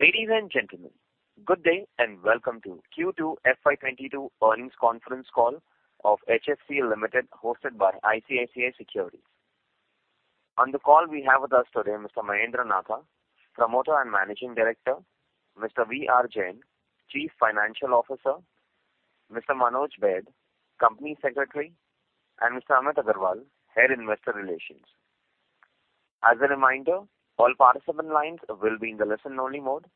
Ladies and gentlemen, good day and welcome to Q2 FY22 earnings conference call of HFCL Limited, hosted by ICICI Securities. On the call we have with us today Mr. Mahendra Nahata, Promoter and Managing Director, Mr. V.R. Jain, Chief Financial Officer, Mr. Manoj Baid, Company Secretary, and Mr. Amit Agarwal, Head, Investor Relations. As a reminder, all participant lines will be in the listen only mode,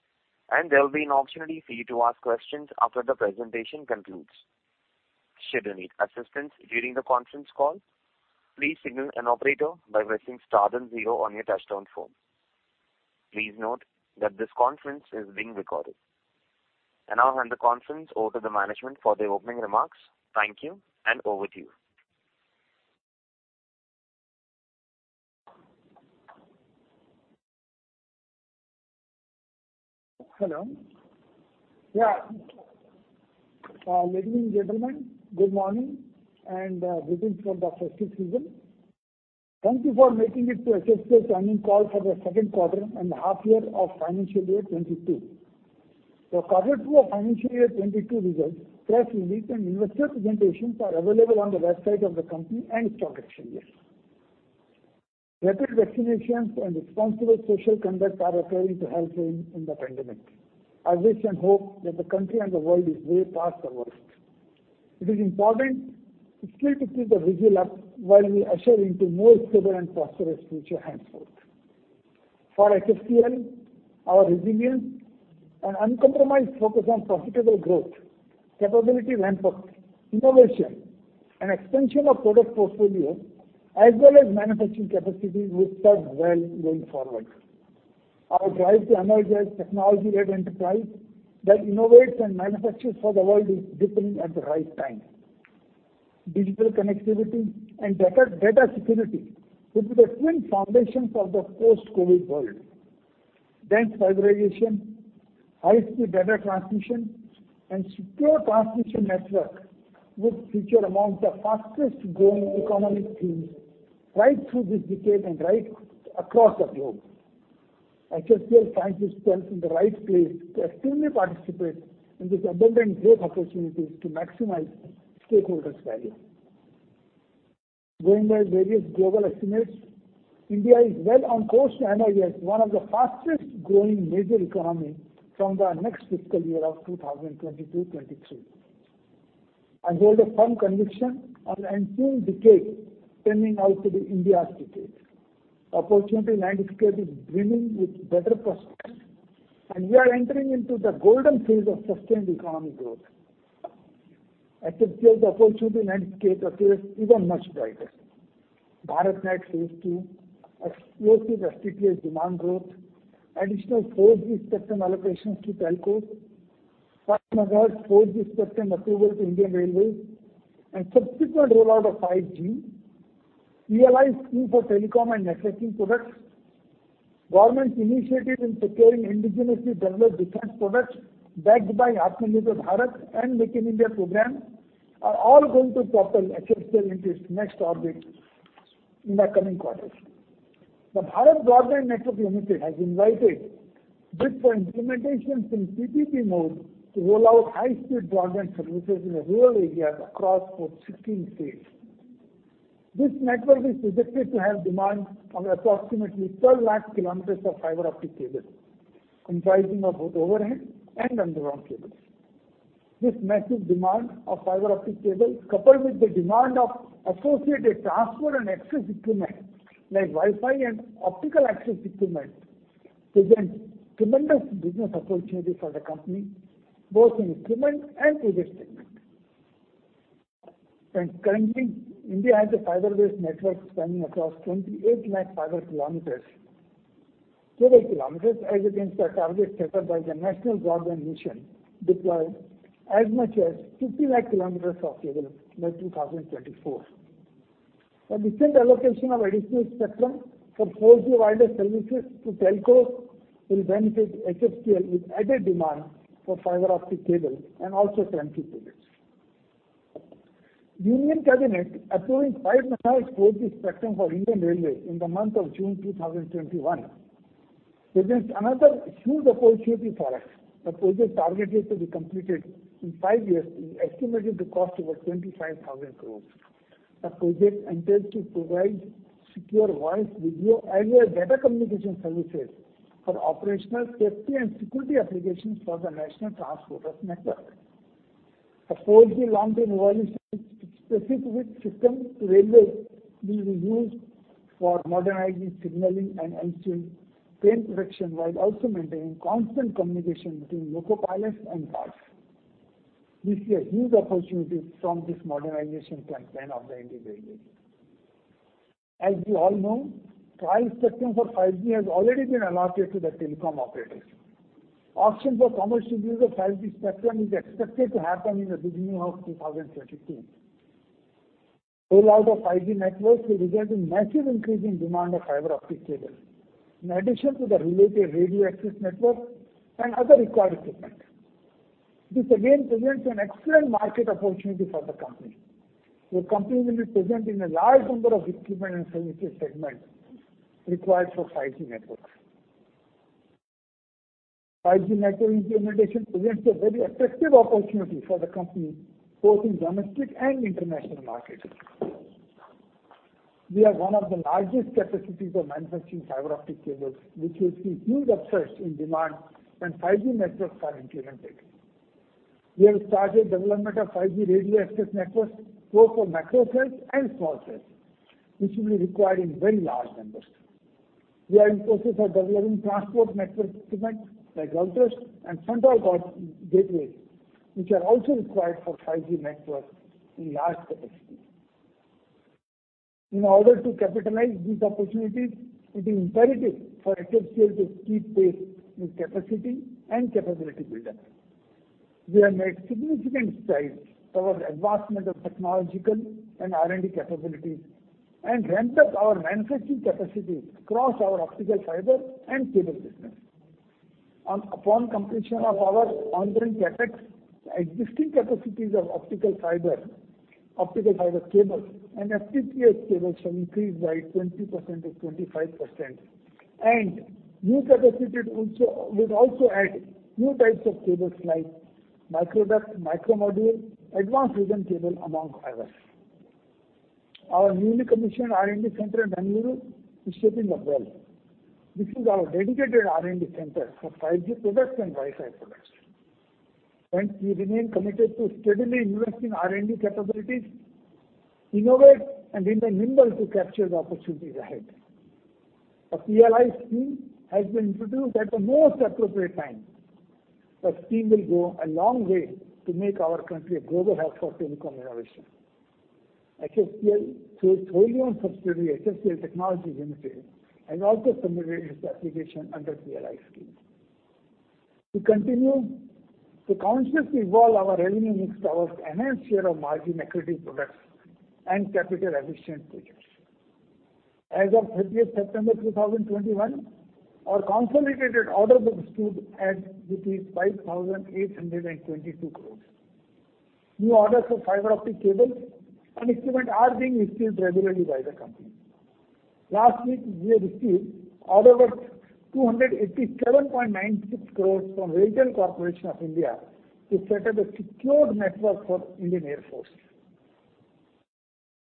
and there will be an opportunity for you to ask questions after the presentation concludes. Should you need assistance during the conference call, please signal an operator by pressing star then zero on your touchtone phone. Please note that this conference is being recorded. I now hand the conference over to the management for their opening remarks. Thank you, and over to you. Hello. Ladies and gentlemen, good morning, and greetings from the festive season. Thank you for making it to HFCL's earnings call for the second quarter and half year of financial year 2022. For Quarter two of financial year 2022 results, press release and investor presentations are available on the website of the company and stock exchanges. Rapid vaccinations and responsible social conduct are appearing to help in the pandemic. I wish and hope that the country and the world is way past the worst. It is important still to keep the vigil up while we usher into more stable and prosperous future henceforth. For HFCL, our resilience and uncompromised focus on profitable growth, capability ramp-up, innovation, and expansion of product portfolio, as well as manufacturing capacities will serve well going forward. Our drive to emerge as technology-led enterprise that innovates and manufactures for the world is dipping at the right time. Digital connectivity and data security will be the twin foundations of the post-COVID world. Dense fiberization, high-speed data transmission, and secure transmission network would feature among the fastest growing economic themes right through this decade and right across the globe. HFCL finds itself in the right place to actively participate in this abundant growth opportunities to maximize stakeholders' value. Going by various global estimates, India is well on course to emerge as one of the fastest growing major economy from the next fiscal year of 2022-2023. I hold a firm conviction on the ensuing decade turning out to be India's decade. Opportunity landscape is brimming with better prospects, and we are entering into the golden phase of sustained economic growth. HFCL's opportunity landscape appears even much brighter. BharatNet phase II, associated FTTH demand growth, additional 4G spectrum allocations to telcos, 5 MHz 4G spectrum approval to Indian Railways, and subsequent rollout of 5G PLI scheme for Telecom and Networking products, Government's initiative in procuring indigenously developed defense products backed by Atmanirbhar Bharat and Make in India program are all going to propel HFCL into its next orbit in the coming quarters. The Bharat Broadband Network Limited has invited bid for implementations in PPP mode to roll out high-speed broadband services in the rural areas across 16 states. This network is projected to have demand of approximately 12 lakhs km of fiber optic cable, comprising of both overhead and underground cables. This massive demand of fiber optic cable, coupled with the demand of associated Transport and Access equipment like Wi-Fi and Optical Access Equipment, present tremendous business opportunity for the company, both in equipment and project segment. Currently, India has a fiber-based network spanning across 28 lakh fiber cable km, as against the target set up by the National Broadband Mission to deploy as much as 50 lakh km of cable by 2024. The recent allocation of additional spectrum for 4G wireless services to telcos will benefit HFCL with added demand for fiber optic cable and also transport projects. Union Cabinet approving 5 MHz 4G spectrum for Indian Railways in the month of June 2021 presents another huge opportunity for us. The project targeted to be completed in five years is estimated to cost over 25,000 crore. The project entails to provide secure voice, video as well as wire data communication services for operational safety and security applications for the National Transporter's Network. A 4G long-term evolution specific system to railways will be used for modernizing, signaling and [upgrading] train protection while also maintaining constant communication between loco pilots and cars. We see a huge opportunities from this modernization campaign of the Indian Railways. As you all know, trial spectrum for 5G has already been allotted to the telecom operators. Auction for commercial use of 5G spectrum is expected to happen in the beginning of 2023. Rollout of 5G networks will result in massive increase in demand of fiber optic cable. In addition to the related radio access network and other required equipment, this again presents an excellent market opportunity for the company. The company will be present in a large number of equipment and services segment required for 5G networks. 5G network implementation presents a very attractive opportunity for the company, both in domestic and international markets. We have one of the largest capacities of manufacturing optical fiber cables, which will see huge upsurge in demand when 5G networks are implemented. We have started development of 5G Radio Access Networks, both for Macro Cells and Small Cells, which will be required in very large numbers. We are in process of developing transport network equipment like Routers and Front Hall Gateways, which are also required for 5G networks in large capacities. In order to capitalize these opportunities, it is imperative for HFCL to keep pace with capacity and capability buildup. We have made significant strides towards advancement of technological and R&D capabilities and ramped up our manufacturing capacities across our optical fiber and cable business. Upon completion of our ongoing CapEx, existing capacities of optical fiber, optical fiber cables, and FTTH cables shall increase by 20%-25%, and new capacity would also add new types of cables like Microduct, Micromodule, and Advance Ribbon Cable amongst others. Our newly commissioned R&D center at Bengaluru is shaping up well. This is our dedicated R&D center for 5G products and Wi-Fi products, we remain committed to steadily investing R&D capabilities, innovate and remain nimble to capture the opportunities ahead. The PLI scheme has been introduced at the most appropriate time. The scheme will go a long way to make our country a global hub for telecom innovation. HFCL, through its wholly owned subsidiary, HFCL Technologies Limited, has also submitted its application under PLI scheme. We continue to consciously evolve our revenue mix towards enhanced share of margin-accretive products and capital-efficient projects. As of 30th September 2021, our consolidated order book stood at 5,822 crores. New orders for fiber optic cables and equipment are being received regularly by the company. Last week, we have received order worth 287.96 crores from RailTel Corporation of India to set up a secured network for Indian Air Force.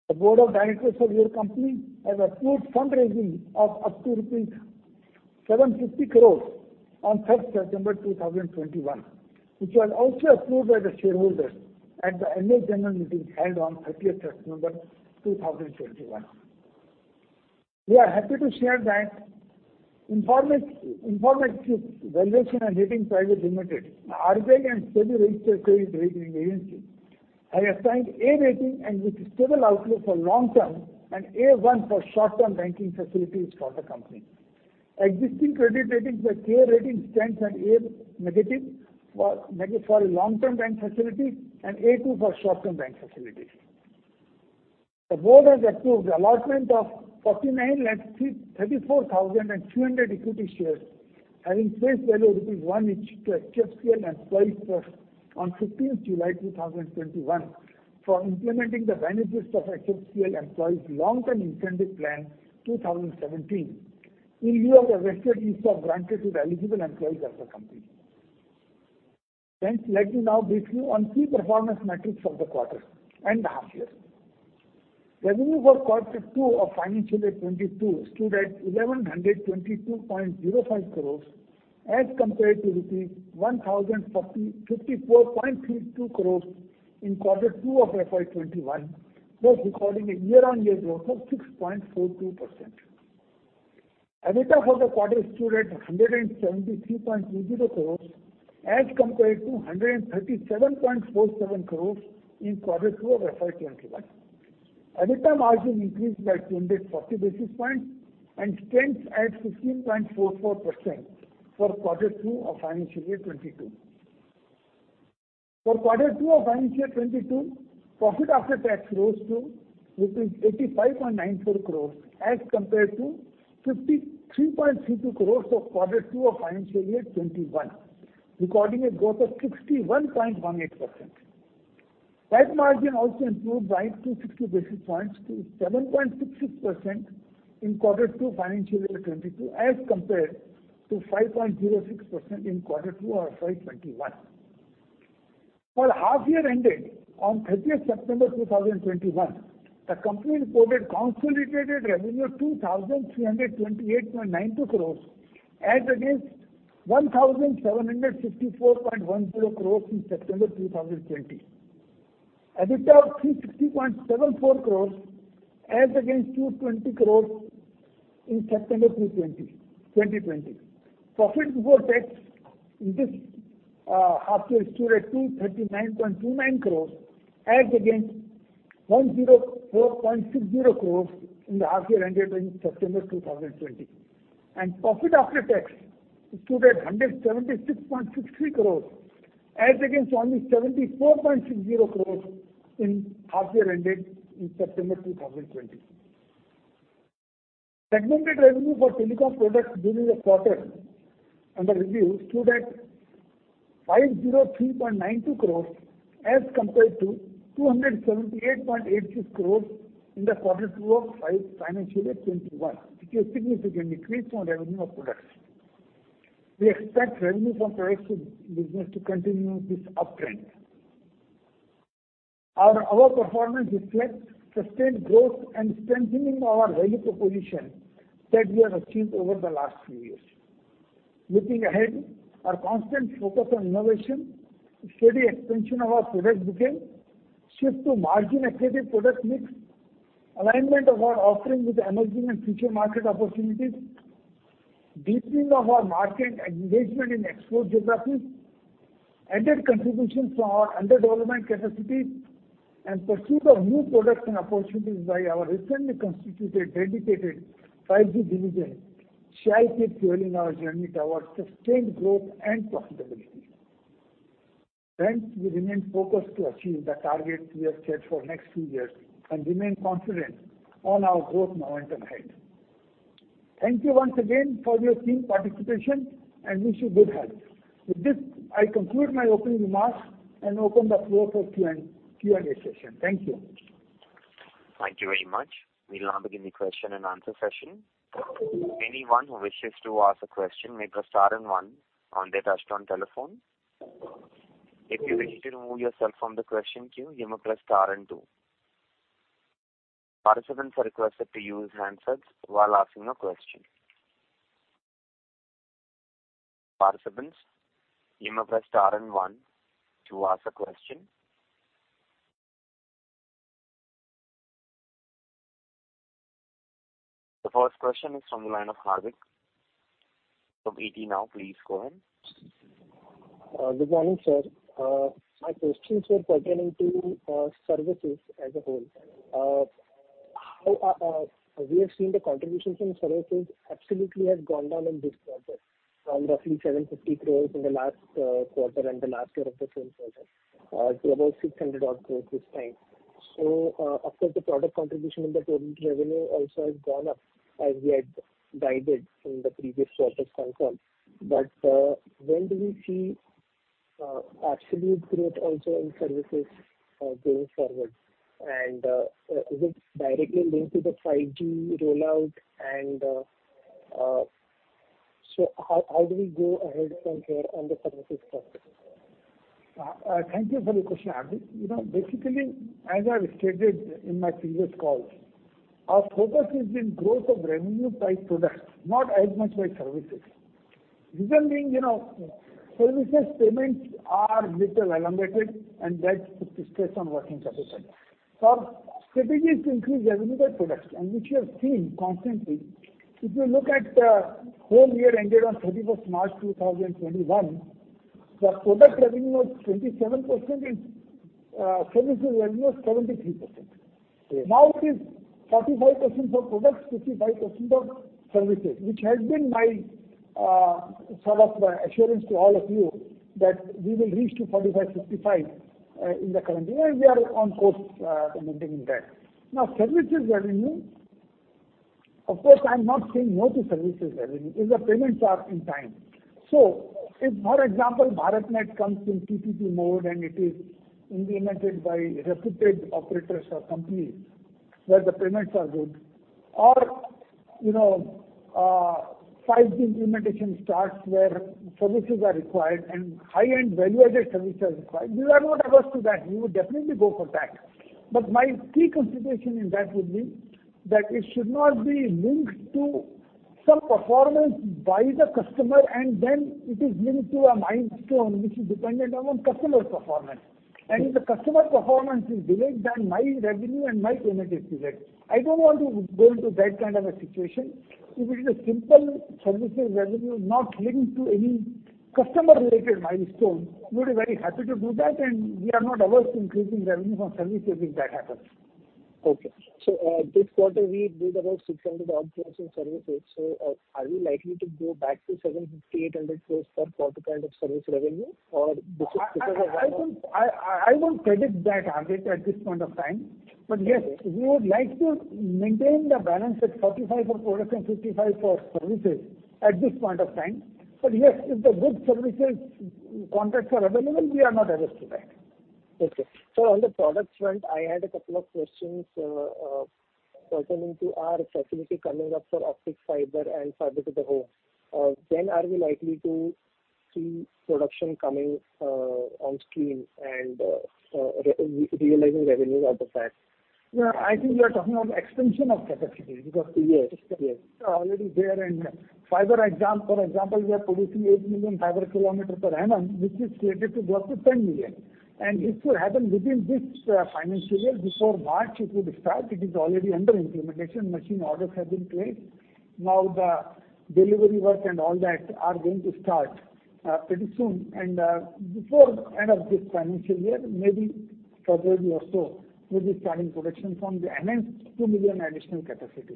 The Board of Directors of your company has approved fundraising of up to rupees 750 crores on 3rd September 2021, which was also approved by the shareholders at the Annual General Meeting held on 30th September 2021. We are happy to share that Infomerics Valuation and Rating Private Limited, a RBI and SEBI registered credit rating agency, has assigned A rating and with stable outlook for long term and A1 for short term banking facilities for the company. Existing credit ratings by CARE Ratings stands at A- for long term bank facilities and A2 for short term bank facilities. The Board has approved the allotment of 49,34,300 equity shares having face value of 1 each to HFCL employees on 15th July 2021 for implementing the benefits of HFCL Employees' Long Term Incentive Plan 2017, in lieu of the vested ESOPs granted to the eligible employees of the company. Friends, let me now brief you on key performance metrics of the quarter and half year. Revenue for quarter two of financial year 2022 stood at 1,122.05 crores as compared to rupees 1,054.32 crores in quarter two of FY 2021, thus recording a year-on-year growth of 6.42%. EBITDA for the quarter stood at 173.20 crores as compared to 137.47 crores in quarter two of FY 2021. EBITDA margin increased by 240 basis points and stands at 15.44% for quarter two of financial year 2022. For quarter two of financial year 2022, profit after tax rose to rupees 85.94 crores as compared to 53.32 crores for quarter two of financial year 2021, recording a growth of 61.18%. PAT margin also improved by 250 basis points to 7.66% in quarter two financial year 2022 as compared to 5.06% in quarter two of FY 2021. For the half year ended on 30th September 2021, the company reported consolidated revenue 2,328.92 crores as against 1,754.10 crores in September 2020. EBITDA of 360.74 crores as against 220 crores in September 2020. Profit before tax in this half year stood at 239.29 crores as against 104.60 crores in the half year ended in September 2020. Profit after tax stood at 176.63 crores as against only 74.60 crores in half year ended in September 2020. Segmented revenue for telecom products during the quarter under review stood at 503.92 crores as compared to 278.86 crores in the quarter two of financial year 2021, which is a significant increase from revenue of products. We expect revenue from products business to continue this uptrend. Our overall performance reflects sustained growth and strengthening our value proposition that we have achieved over the last few years. Looking ahead, our constant focus on innovation, steady expansion of our product bouquet, shift to margin-accretive product mix, alignment of our offerings with emerging and future market opportunities, deepening of our market engagement in export geographies, added contributions from our under-development capacities, and pursuit of new products and opportunities by our recently constituted dedicated 5G division shall keep fueling our journey towards sustained growth and profitability. We remain focused to achieve the targets we have set for next few years and remain confident on our growth momentum ahead. Thank you once again for your keen participation and wish you good health. With this, I conclude my opening remarks and open the floor for Q&A session. Thank you. Thank you very much. We'll now begin the question and answer session. Anyone who wishes to ask a question may press star and one on their touchtone telephone. If you wish to remove yourself from the question queue, you may press star and two. Participants are requested to use handsets while asking a question. Participants, you may press star and one to ask a question. The first question is from the line of Hardik from ET Now. Please go ahead. Good morning, sir. My questions were pertaining to services as a whole. We have seen the contribution from services absolutely has gone down in this quarter from roughly 750 crores in the last quarter and the last year of the same quarter to about 600-odd crores this time. So after the product contribution in the total revenue also has gone up as we had guided in the previous quarters concall. When do we see absolute growth also in services going forward? Is it directly linked to the 5G rollout? How do we go ahead from here on the services cut? Thank you for the question, Hardik. Basically, as I stated in my previous calls, our focus is in growth of revenue by products, not as much by services. Reason being, services payments are little elongated, and that puts stress on working capital. Our strategy is to increase revenue by products and which you have seen constantly. If you look at the whole year ended on 31st March 2021, the product revenue was 27% and services revenue was 73%. Yes. Now it is 45% for products, 55% for services, which has been my sort of assurance to all of you that we will reach to 45%-55% in the current year. We are on course maintaining that. Services revenue, of course, I'm not saying no to services revenue if the payments are in time. If, for example, BharatNet comes in PPP mode and it is implemented by reputed operators or companies where the payments are good, or 5G implementation starts where services are required and high-end value-added services are required, we are not averse to that. We would definitely go for that. My key consideration in that would be that it should not be linked to some performance by the customer and then it is linked to a milestone which is dependent on customer performance. If the customer performance is delayed, then my revenue and my payment is delayed. I don't want to go into that kind of a situation. If it is a simple services revenue not linked to any customer-related milestone, we would be very happy to do that. We are not averse to increasing revenue from services if that happens. Okay. This quarter we did about 600-odd crores in services. Are we likely to go back to 750, 800 crores for quarter kind of service revenue? I won't predict that, Hardik, at this point of time. Yes, we would like to maintain the balance at 45% for products and 55% for services at this point of time. Yes, if the good services contracts are available, we are not averse to that. Okay. Sir, on the products front, I had two questions pertaining to our facility coming up for optical fiber and Fiber to the Home. When are we likely to see production coming on stream and realizing revenues out of that? I think you are talking of expansion of capacity. Yes Fiber, for example, we are producing 8 million FTM per annum, which is slated to go up to 10 million. It will happen within this financial year. Before March, it will start. It is already under implementation. Machine orders have been placed. Now the delivery work and all that are going to start pretty soon and before end of this financial year, maybe February or so, we'll be starting production from the enhanced 2 million additional capacity.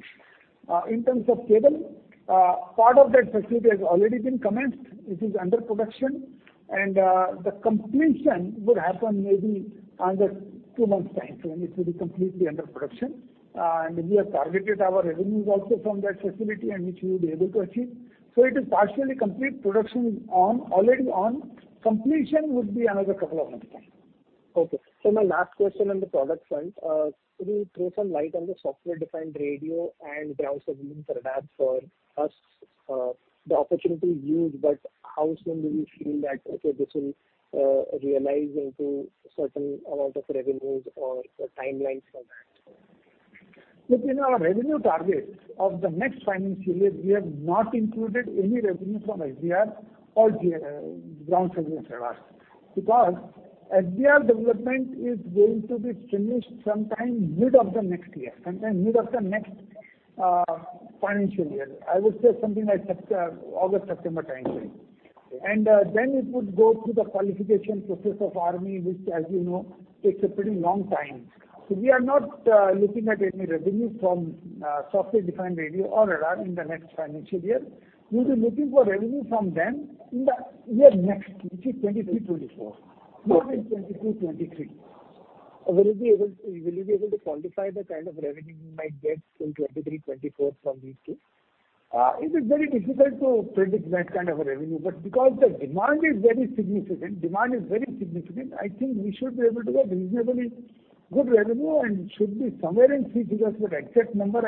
In terms of cable, part of that facility has already been commenced. It is under production. The completion would happen maybe under two months' time frame. It will be completely under production. We have targeted our revenues also from that facility, and which we will be able to achieve. It is partially complete. Production is already on. Completion would be another couple of months' time. Okay. My last question on the product front. Could you throw some light on the software-defined radio and ground surveillance radar for us, the opportunity is huge, but how soon do you feel that, okay, this will realize into certain amount of revenues or timelines for that? Look, in our revenue targets of the next financial year, we have not included any revenue from SDR or Ground Surveillance Radar. Because SDR development is going to be finished sometime mid of the next year, sometime mid of the next financial year. I would say something like August, September time frame. Okay. It would go through the qualification process of Army, which as you know, takes a pretty long time. We are not looking at any revenue from software-defined radio or radar in the next financial year. We'll be looking for revenue from them in the year next, which is FY 2023-2024, not in FY 2022-2023. Will you be able to quantify the kind of revenue you might get in 2023-2024 from these two? It is very difficult to predict that kind of a revenue. Because the demand is very significant, I think we should be able to get reasonably good revenue, and it should be somewhere in three figures. Exact number,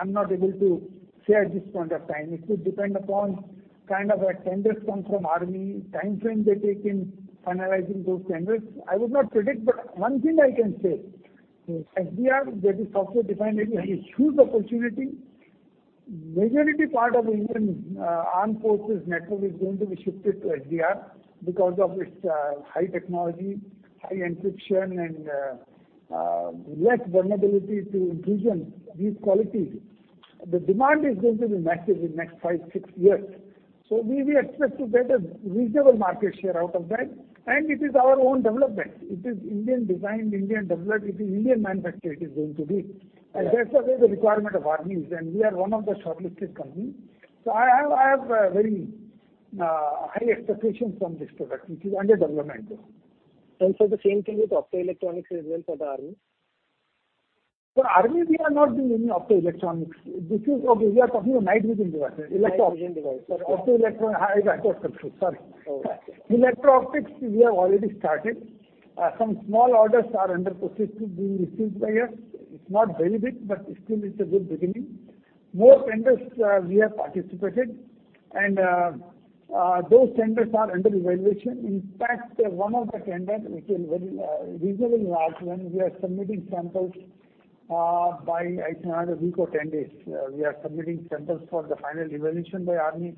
I'm not able to say at this point of time. It could depend upon what tenders come from Army, time frame they take in finalizing those tenders. I would not predict. One thing I can say is SDR, where software-defined radio, is a huge opportunity. Majority part of Indian Armed Forces network is going to be shifted to SDR because of its high technology, high encryption, and less vulnerability to intrusion, these qualities. The demand is going to be massive in next five, six years. We will expect to get a reasonable market share out of that. It is our own development. It is Indian designed, Indian developed. It is Indian manufactured, it is going to be. Yeah. That's the way the requirement of Army is, and we are one of the shortlisted companies. I have very high expectations from this product, which is under development though. Sir, the same thing with optoelectronics as well for the Army? For Army, we are not doing any optoelectronics. We are talking of night vision devices. Night vision devices. Optoelectronics. I got confused, sorry. Okay. Electro optics, we have already started. Some small orders are under process, being received by us. It's not very big, but still it's a good beginning. More tenders we have participated. Those tenders are under evaluation. In fact, one of the tenders, which is very reasonably large one, we are submitting samples by, I think, another week or 10 days. We are submitting samples for the final evaluation by Army.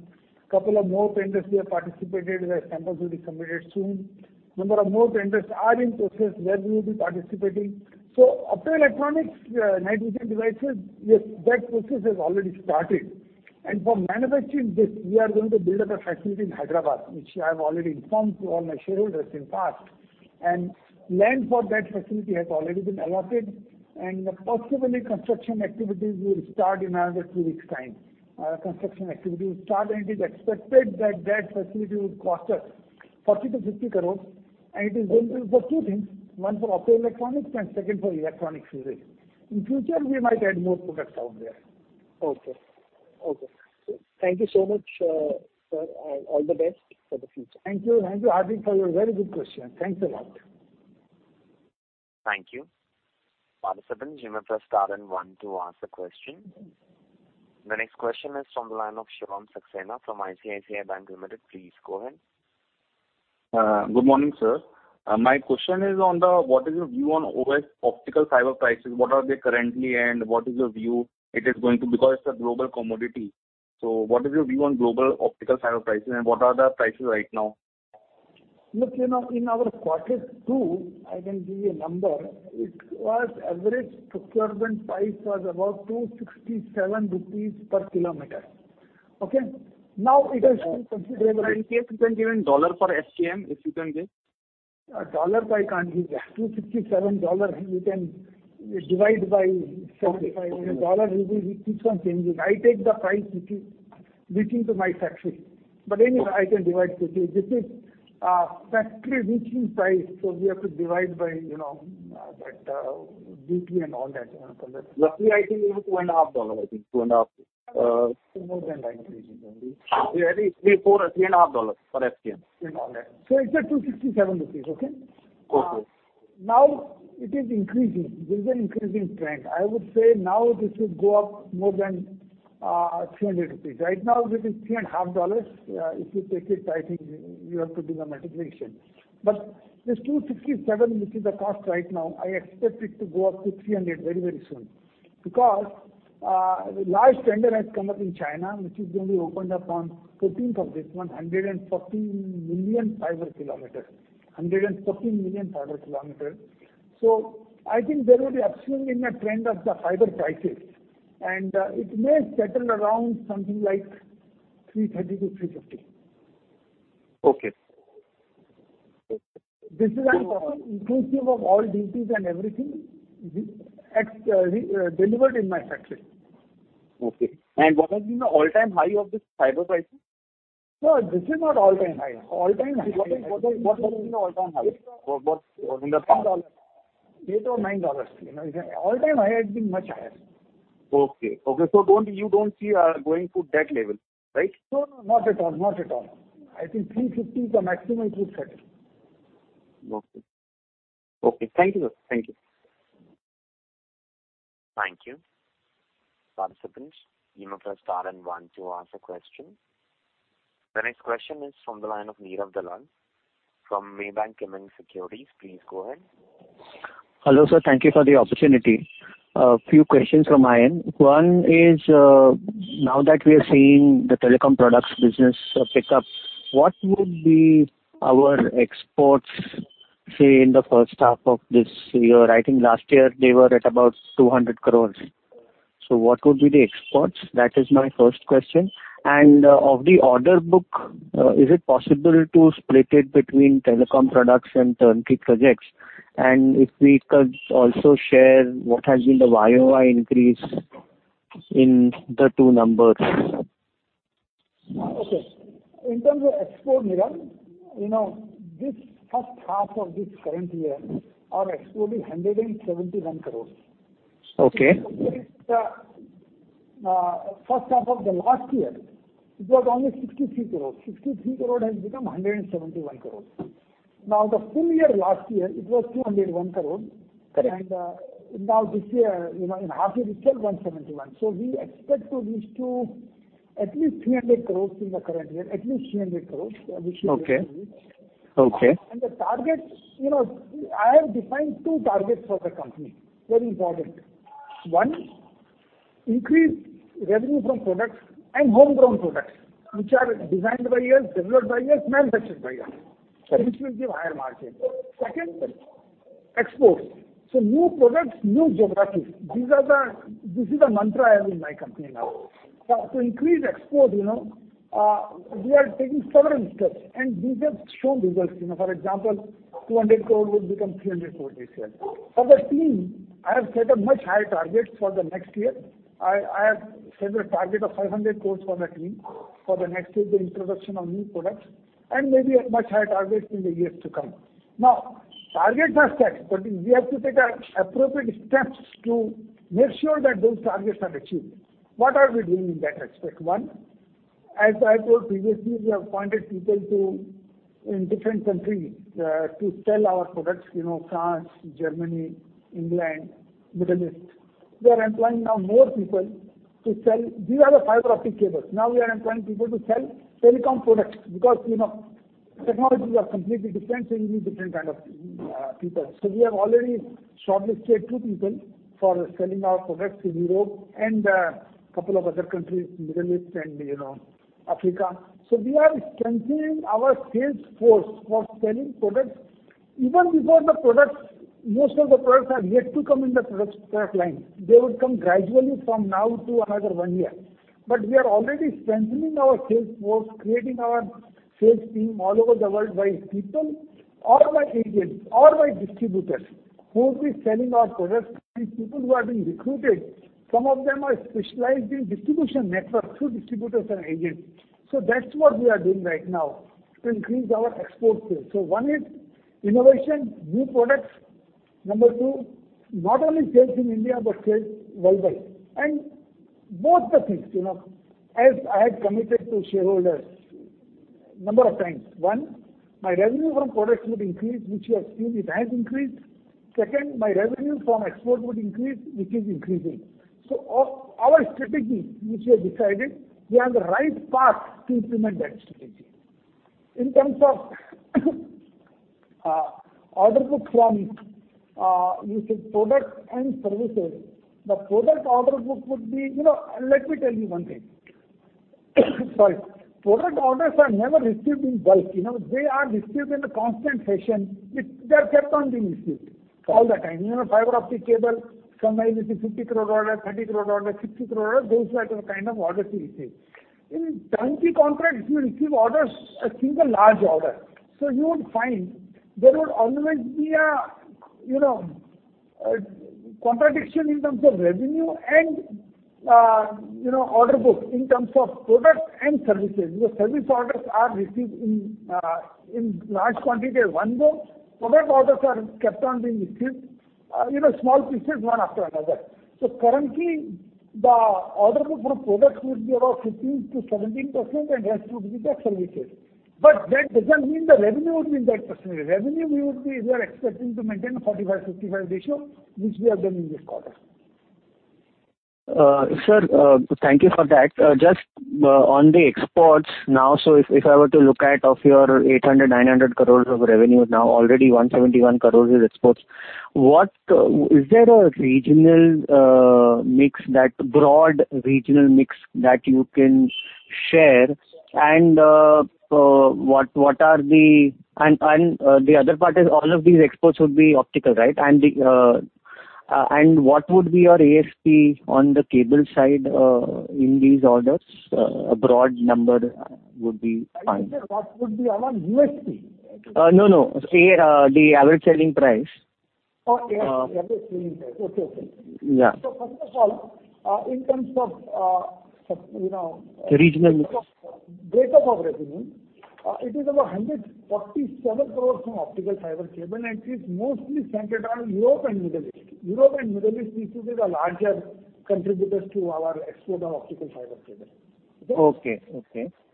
Couple of more tenders we have participated, where samples will be submitted soon. Number of more tenders are in process where we will be participating. Optoelectronics, night vision devices, yes, that process has already started. For manufacturing this, we are going to build up a facility in Hyderabad, which I have already informed to all my shareholders in past. Land for that facility has already been allotted, possibly construction activities will start in another two weeks' time. Construction activity will start, it is expected that that facility would cost us 40-50 crores. It is going to be for two things, one for optoelectronics and second for electronic fuzes. In future, we might add more products out there. Okay. Thank you so much, sir. All the best for the future. Thank you. Thank you, Hardik, for your very good questions. Thanks a lot. Thank you. Participant, you may press star one to ask the question. The next question is from the line of Shivam Saxena from ICICI Bank Limited. Please go ahead. Good morning, sir. My question is on what is your view on optical fiber prices? What are they currently and what is your view it is going to, because it's a global commodity. What is your view on global optical fiber prices, and what are the prices right now? Look, in our quarter two, I can give you a number. It was average procurement price was about 267 rupees per km. Okay? Now it has increased considerably. In case you can give in dollar per STM, if you can give. Dollar, I can't give you. $267, you can divide by 75. Okay. Dollar will be keeps on changing. I take the price which is reaching to my factory. Anyway, I can divide quickly. This is factory reaching price, we have to divide by that GP and all that. Roughly, I think it was $2.5, I think, $2.5. More than that, I think. Yeah, $3, $4, $3.5 for STM. With all that. It's at 267 rupees, okay? Okay. Now it is increasing. There's an increasing trend. I would say now this should go up more than 300 rupees. Right now, it is $3.5. If you take it, I think you have to do the multiplication. This 267, which is the cost right now, I expect it to go up to 300 very, very soon. Large tender has come up in China, which is going to be opened up on 14th of this month, 114 million fiber km. I think there will be upswing in the trend of the fiber prices, and it may settle around something like 330-350. Okay. This is inclusive of all duties and everything, delivered in my factory. Okay. What has been the all-time high of this fiber pricing? No, this is not all-time high. What has been the all-time high in the past? $8 or $9. All-time high has been much higher. Okay. You don't see going to that level, right? No, not at all. I think 350 is the maximum it would settle. Okay. Thank you. Thank you. Participants, you may press star and one to ask a question. The next question is from the line of Neerav Dalal from Maybank Kim Eng Securities. Please go ahead. Hello, sir. Thank you for the opportunity. A few questions from my end. One is, now that we are seeing the telecom products business pick up, what would be our exports, say, in the first half of this year? I think last year they were at about 200 crores. What would be the exports? That is my first question. Of the order book, is it possible to split it between telecom products and turnkey projects? If we could also share what has been the YoY increase in the two numbers. Okay. In terms of export, Neerav, this first half of this current year, our export is INR 171 crores. Okay. If you compare it to the first half of the last year, it was only 63 crores. 63 crores has become 171 crores. The full year, last year, it was 201 crores. Correct. Now this year, in half-year we sell 171 crores. We expect to reach at least 300 crores in the current year. At least 300 crores. Okay. The targets, I have defined two targets for the company. Very important. one, increase revenue from products and homegrown products, which are designed by us, developed by us, manufactured by us. Sure. Which will give higher margin. Second, exports. New products, new geographies. This is the mantra I have in my company now. To increase export, we are taking several steps, and these have shown results. For example, 200 crore would become 300 crore this year. For the team, I have set a much higher target for the next year. I have set a target of 500 crore for my team for the next year with the introduction of new products, and maybe a much higher target in the years to come. Targets are set, but we have to take appropriate steps to make sure that those targets are achieved. What are we doing in that aspect? One, as I told previously, we have appointed people in different countries to sell our products, France, Germany, England, Middle East. We are employing now more people to sell. These are the fiber optic cables. We are employing people to sell telecom products because technologies are completely different, you need different kind of people. We have already shortlisted two people for selling our products in Europe and a couple of other countries, Middle East and Africa. We are strengthening our sales force for selling products even before the products. Most of the products are yet to come in the product pipeline. They would come gradually from now to another one year. We are already strengthening our sales force, creating our sales team all over the world by people or by agents or by distributors who will be selling our products. These people who have been recruited, some of them are specialized in distribution network through distributors and agents. That's what we are doing right now to increase our export sales. One is innovation, new products. Number two, not only sales in India, but sales worldwide, and both the things. As I had committed to shareholders a number of times, one, my revenue from products would increase, which you have seen it has increased. Second, my revenue from export would increase, which is increasing. Our strategy, which we have decided, we are on the right path to implement that strategy. In terms of order book from, you said products and services, let me tell you one thing. Sorry. Product orders are never received in bulk. They are received in a constant fashion. They are kept on being received all the time. Fiber optic cable, sometimes it's an 50 crore order, 30 crore order, 60 crore order. Those type of orders we receive. In turnkey contracts, you receive orders as single large order. You would find there would always be a contradiction in terms of revenue and order book in terms of products and services. Service orders are received in large quantity at one go. Product orders are kept on being received, small pieces, one after another. Currently, the order book for products would be about 15%-17%, and rest would be that services. That doesn't mean the revenue would be in that percentage. Revenue, we are expecting to maintain a 45%-55% ratio, which we have done in this quarter. Sir, thank you for that. Just on the exports now, if I were to look at of your 800, 900 crores of revenue now, already 171 crores is exports. Is there a broad regional mix that you can share? The other part is all of these exports would be optical, right? What would be your ASP on the cable side in these orders? A broad number would be fine. What would be our USP? No, the average selling price. Oh, ASP. Okay. Yeah. So first of all, in terms of- Regional -breakup of revenue, it is over INR 147 crores from optical fiber cable, and it is mostly centered on Europe and Middle East. Europe and Middle East regions are the larger contributors to our export of optical fiber cable. Okay.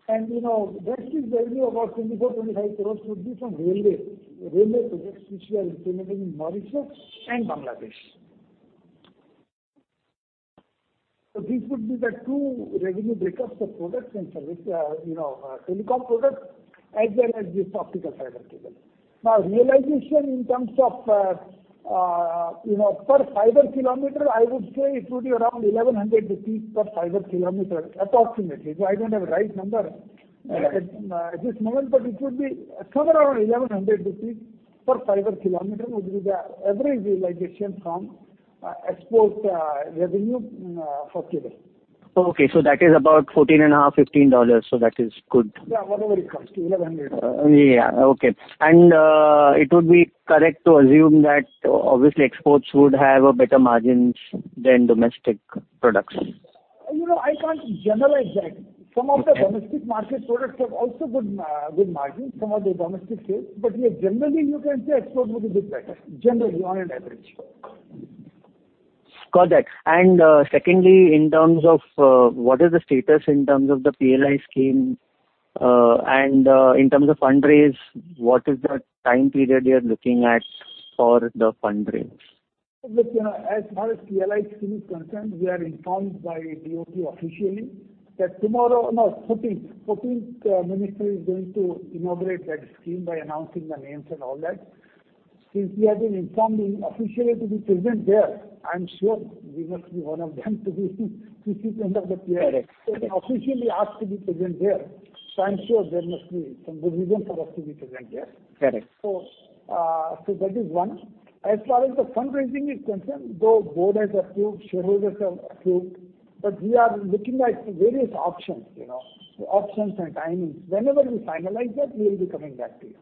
The rest is rarely about INR 24 crore-INR 25 crore could be from railway projects, which we are implementing in Mauritius and Bangladesh. This would be the two revenue breakups of products and service, telecom products, as well as this optical fiber cable. Realization in terms of per fiber kilometer, I would say it would be around 1,100 rupees per fiber kilometer, approximately. I don't have a right number at this moment, but it would be somewhere around 1,100 rupees per fiber kilometer, would be the average realization from export revenue for cable. Okay. That is about $14.5, $15. That is good. Yeah, whatever it comes to 1,100. Yeah. Okay. It would be correct to assume that obviously exports would have better margins than domestic products. I can't generalize that. Some of the domestic market products have also good margins, some of the domestic sales. Generally, you can say export would be a bit better, generally, on an average. Got that. Secondly, in terms of what is the status in terms of the PLI scheme, and in terms of fundraise, what is the time period you're looking at for the fundraise? Look, as far as PLI scheme is concerned, we are informed by DoT officially that No, 14th, Minister is going to inaugurate that scheme by announcing the names and all that. Since we have been informed officially to be present there, I'm sure we must be one of them to be this end of the PLI. Correct. They officially asked to be present there, so I'm sure there must be some good reason for us to be present there. Correct. That is one. As far as the fundraising is concerned, though board has approved, shareholders have approved, we are looking at various options and timings. Whenever we finalize that, we will be coming back to you.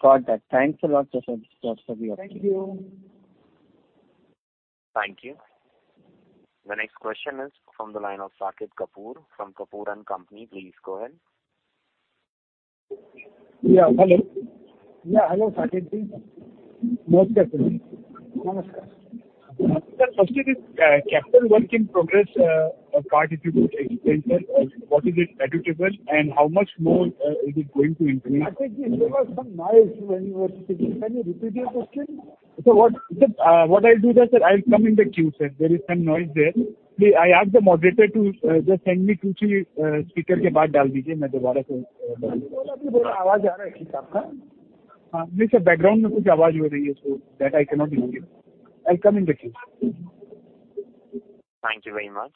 Got that. Thanks a lot, [inaudible] sir. Thank you. Thank you. The next question is from the line of [Saket Kapoor] from Kapoor & Company. Please go ahead. Yeah, hello. Yeah, hello, Saket ji. Namaste. Namaskar. Sir, firstly, this capital work in progress part, if you could explain, sir. What is it attributable and how much more it is going to increase? Saket ji, there was some noise when you were speaking. Can you repeat your question? What I'll do is, I'll come in the queue, sir. There is some noise there. I ask the moderator to just send me [inaudible] background so that I cannot hear. I'll come in the queue. Thank you very much.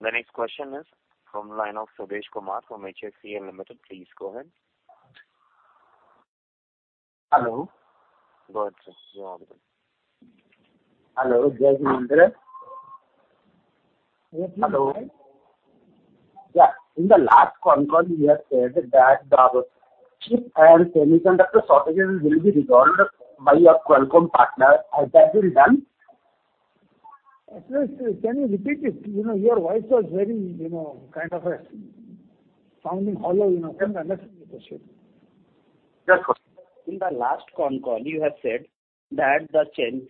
The next question is from line of Sudesh Kumar from HFCL Limited. Please go ahead. Hello. Go ahead, sir. Hello. Jasjit Mahendra. Hello. In the last concall, you had said that the chip and semiconductor shortages will be resolved by your Qualcomm partner. Has that been done? Can you repeat it? Your voice was very kind of sounding hollow. Couldn't understand your question. Yes. In the last concall, you had said that the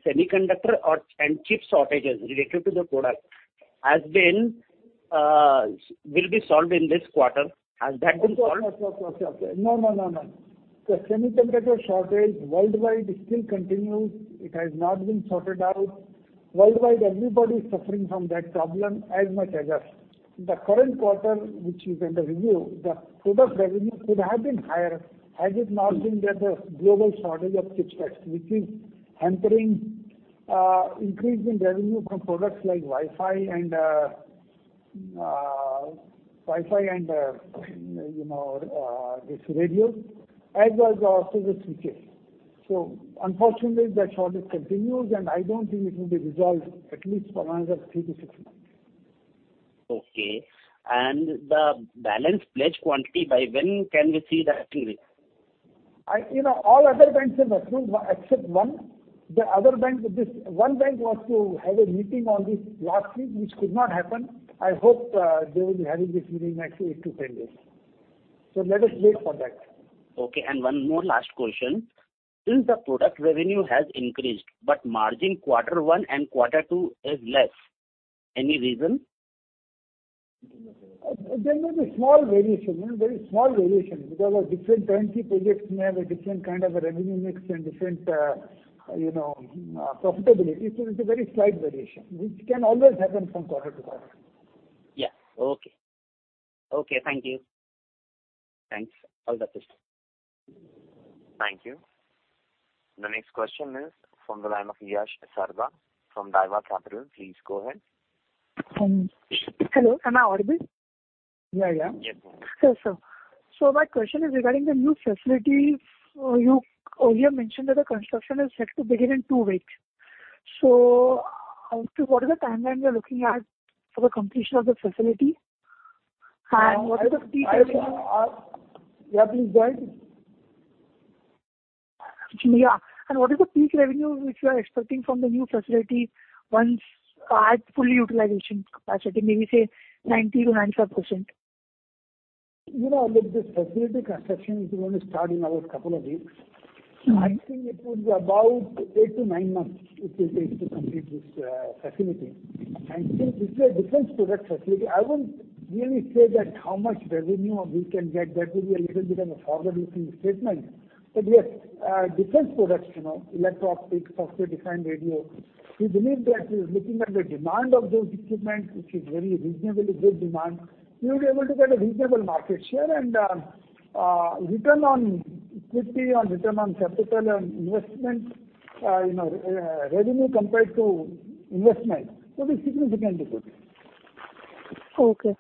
semiconductor and chip shortages related to the product will be solved in this quarter. Has that been solved? Of course. No. The semiconductor shortage worldwide still continues. It has not been sorted out. Worldwide, everybody is suffering from that problem as much as us. The current quarter, which is under review, the product revenue could have been higher had it not been that the global shortage of chipsets, which is hampering increase in revenue from products like Wi-Fi and this radio, as well as our service switches. Unfortunately, that shortage continues, and I don't think it will be resolved at least for another three to six months. Okay. The balance pledged quantity, by when can we see that increase? All other banks have approved except one. The other bank, this one bank was to have a meeting on this last week, which could not happen. I hope they will be having this meeting next week to 10 days. Let us wait for that. Okay, one more last question. Since the product revenue has increased, margin quarter one and quarter two is less. Any reason? There may be small variation. Very small variation because of different turnkey projects may have a different kind of a revenue mix and different profitability. It's a very slight variation, which can always happen from quarter to quarter. Yeah. Okay. Thank you. Thanks. All the best. Thank you. The next question is from the line of [Yash Sharda] from Daiwa Capital. Please go ahead. Hello, am I audible? Yeah. Yes. Sure. My question is regarding the new facility. You earlier mentioned that the construction is set to begin in two weeks. What is the timeline you're looking at for the completion of the facility? What is the peak revenue which you are expecting from the new facility once at full utilization capacity, maybe say 90%-95%? You know, look, this facility construction is going to start in about a couple of weeks. I think it will be about eight to nine months it will take to complete this facility. Since it's a defense product facility, I won't really say that how much revenue we can get. That will be a little bit of a forward-looking statement. Yes, defense products, electro-optics, software-defined radio, we believe that we are looking at the demand of those equipment, which is very reasonably good demand. We will be able to get a reasonable market share and return on equity and return on capital and investment, revenue compared to investment will be significantly good. Okay.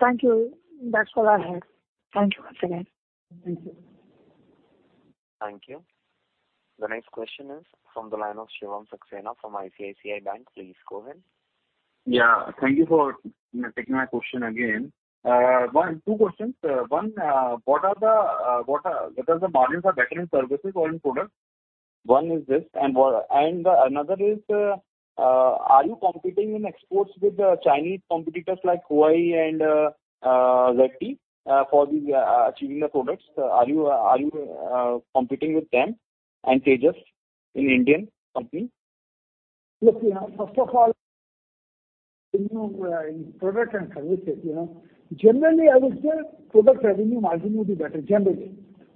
Thank you. That's all I have. Thank you once again. Thank you. Thank you. The next question is from the line of Shivam Saxena from ICICI Bank. Please go ahead. Yeah. Thank you for taking my question again. Two questions. One, whether the margins are better in services or in products? One is this. Another is, are you competing in exports with Chinese competitors like Huawei and ZTE for achieving the products? Are you competing with them and Tejas in Indian company? First of all, in product and services, I would say product revenue margin would be better, generally.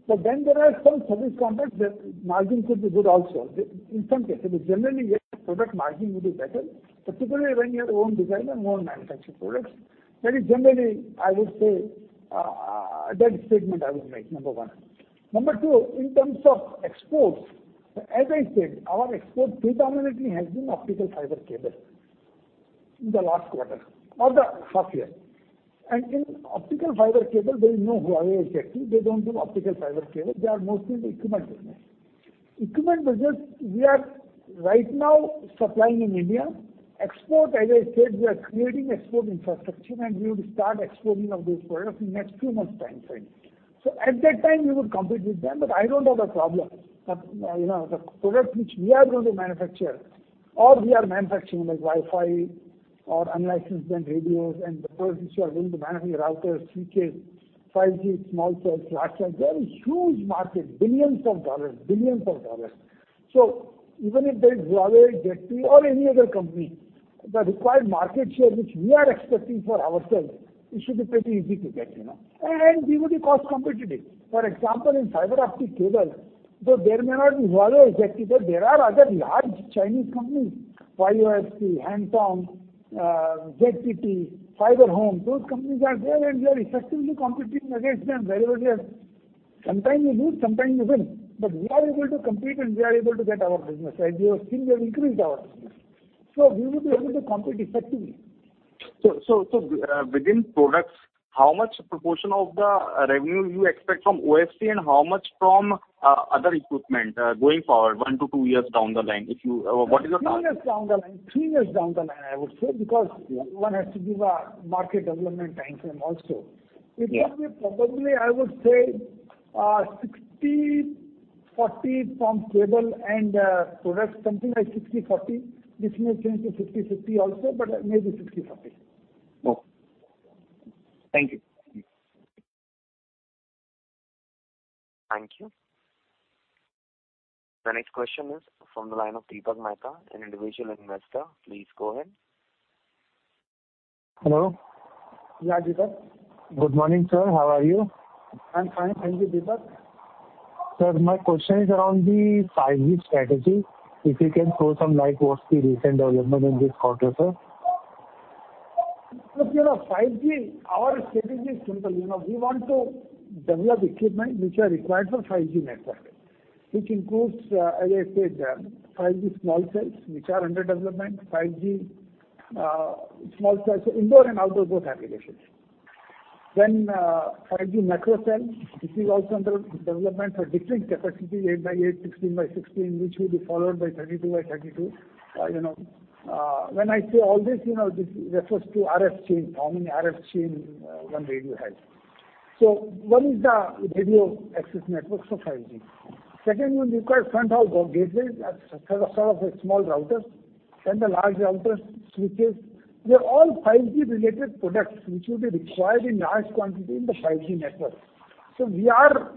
There are some service contracts that margin could be good also, in some cases. Generally, yes, product margin would be better, particularly when you have own design and own manufactured products. That is generally, I would say, that statement I would make, number one. Number two, in terms of exports, as I said, our export predominantly has been optical fiber cable in the last quarter or the half year. In optical fiber cable, there is no Huawei, ZTE. They don't do optical fiber cable. They are mostly in the equipment business. Equipment business, we are right now supplying in India. Export, as I said, we are creating export infrastructure, and we will start exporting of those products in next few months' time frame. At that time, we would compete with them, but I don't have a problem. The product which we are going to manufacture or we are manufacturing, like Wi-Fi or unlicensed band radios and the products which we are going to manufacture, routers, switches, 5G small cells, large cells, there is huge market, billions of dollars. Even if there is Huawei, or ZTE or any other company, the required market share which we are expecting for ourselves, it should be pretty easy to get. We will be cost competitive. For example, in fiber optic cable, though there may not be Huawei or ZTE, but there are other large Chinese companies, YOFC, Hengtong, ZTT, FiberHome. Those companies are there, and we are effectively competing against them wherever we are. Sometimes we lose, sometimes we win. We are able to compete, and we are able to get our business. As you have seen, we have increased our business. We would be able to compete effectively. Within products, how much proportion of the revenue you expect from OFC and how much from other equipment going forward, one to two years down the line? What is your target? Three years down the line, I would say, because one has to give a market development time frame also. Yeah. It will be probably, I would say, 60/40 from cable and products, something like 60/40. This may change to 50/50 also, but maybe 60:40. Okay. Thank you. Thank you. The next question is from the line of [Deepak Mehta], an Individual Investor. Please go ahead. Hello. Yeah, Deepak. Good morning, sir. How are you? I'm fine. Thank you, Deepak. Sir, my question is around the 5G strategy. If you can throw some light what's the recent development in this quarter, sir? 5G, our strategy is simple. We want to develop equipment which are required for 5G network. Includes, as I said, 5G small cells, which are under development, 5G small cells for indoor and outdoor, both applications. 5G macro cell, this is also under development for different capacity, 8x8, 16x16, which will be followed by 32x32. When I say all this refers to RF chain, how many RF chain one radio has. One is the radio access networks for 5G. Second one requires Fronthaul Gateways, sort of a small router. The large routers, switches. They're all 5G-related products which will be required in large quantity in the 5G network. We are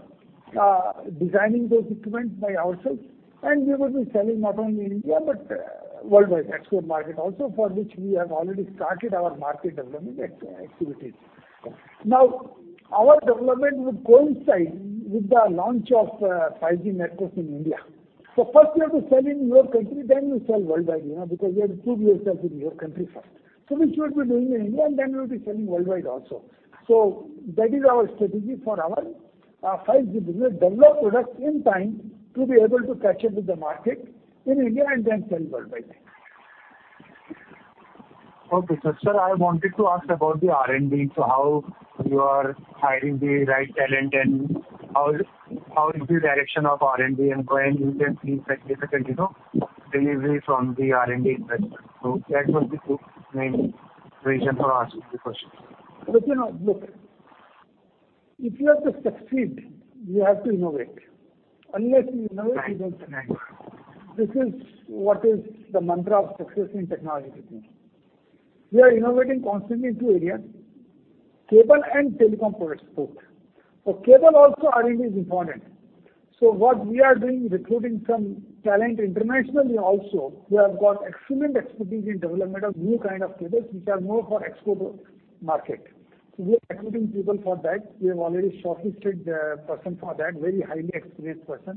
designing those equipment by ourselves, and we will be selling not only in India but worldwide export market also, for which we have already started our market development activities. Our development will coincide with the launch of 5G networks in India. First we have to sell in your country, then we sell worldwide, because you have to prove yourself in your country first. Which we'll be doing in India, and then we'll be selling worldwide also. That is our strategy for our 5G business, develop products in time to be able to catch up with the market in India and then sell worldwide. Sir, I wanted to ask about the R&D. How you are hiring the right talent, and how is the direction of R&D, and when we can see significant delivery from the R&D investment. That was the two main reason for asking the question. Look, if you have to succeed, you have to innovate. Unless you innovate, you don't succeed. Right. This is what is the mantra of success in technology, I think. We are innovating constantly in two areas, cable and telecom products. For cable also, R&D is important. What we are doing, recruiting some talent internationally also, who have got excellent expertise in development of new kind of cables, which are more for export market. We are recruiting people for that. We have already shortlisted a person for that, very highly experienced person.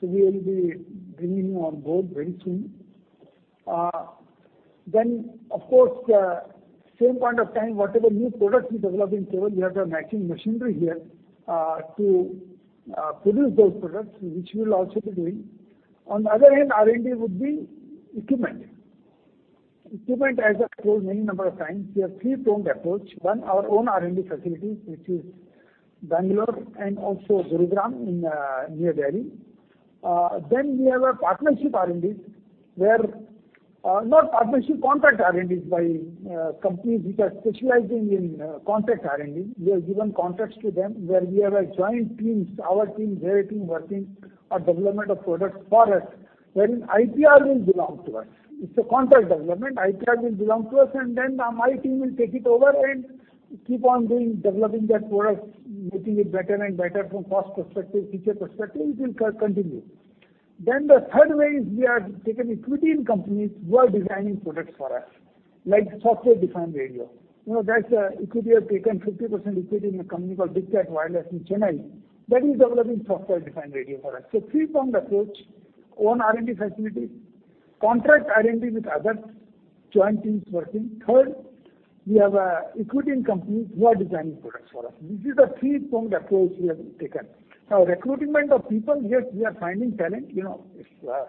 We will be bringing him on board very soon. Of course, same point of time, whatever new products we develop in cable, you have to have matching machinery here to produce those products, which we'll also be doing. On the other hand, R&D would be equipment. Equipment, as I've told many number of times, we have three-pronged approach. One, our own R&D facilities, which is Bengaluru and also Gurugram near Delhi. We have a partnership R&D where, not partnership, contract R&D by companies which are specializing in contract R&D. We have given contracts to them, where we have a joint teams, our team, their team, working on development of products for us, wherein IPR will belong to us. It's a contract development. IPR will belong to us, and then my team will take it over and keep on doing, developing that product, making it better and better from cost perspective, feature perspective, it will continue. The third way is we have taken equity in companies who are designing products for us, like software-defined radio. That's equity. We have taken 50% equity in a company called BigCat Wireless in Chennai. That is developing software-defined radio for us. Three-pronged approach. One R&D facility, contract R&D with others, joint teams working. We have equity in companies who are designing products for us. This is a three-pronged approach we have taken. Recruitment of people, yes, we are finding talent. It's a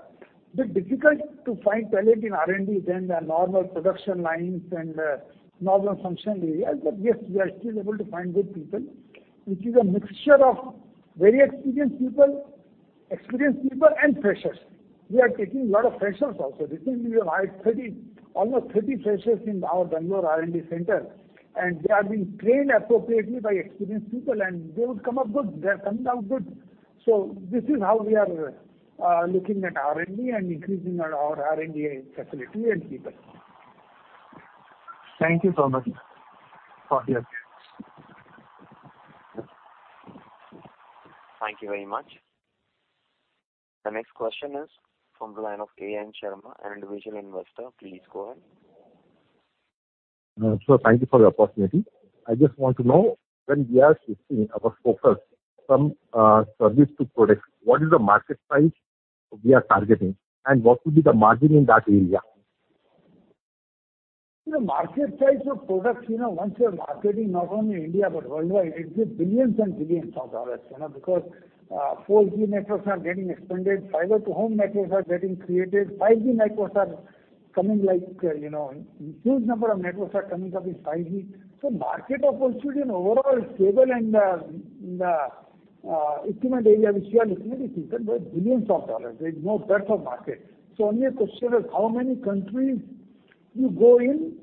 bit difficult to find talent in R&D than the normal production lines and normal function areas. Yes, we are still able to find good people, which is a mixture of very experienced people and freshers. We are taking a lot of freshers also. Recently, we have hired almost 30 freshers in our Bengaluru R&D center, and they are being trained appropriately by experienced people, and they would come up good. They are coming out good. This is how we are looking at R&D and increasing our R&D facility and people. Thank you so much for your answers. Thank you very much. The next question is from the line of [A.N. Sharma], Individual Investor. Please go ahead. Sir, thank you for the opportunity. I just want to know, when we are shifting our focus from service to products, what is the market size we are targeting, and what will be the margin in that area? The market size of products, once you are marketing not only India but worldwide, it will be billions and billions of INR. 4G networks are getting expanded, Fiber to the Home networks are getting created, 5G networks are coming, like huge number of networks are coming up in 5G. Market opportunity in overall cable and the equipment area which we are looking at is billions of INR. There is no dearth of market. Only question is, how many countries you go in,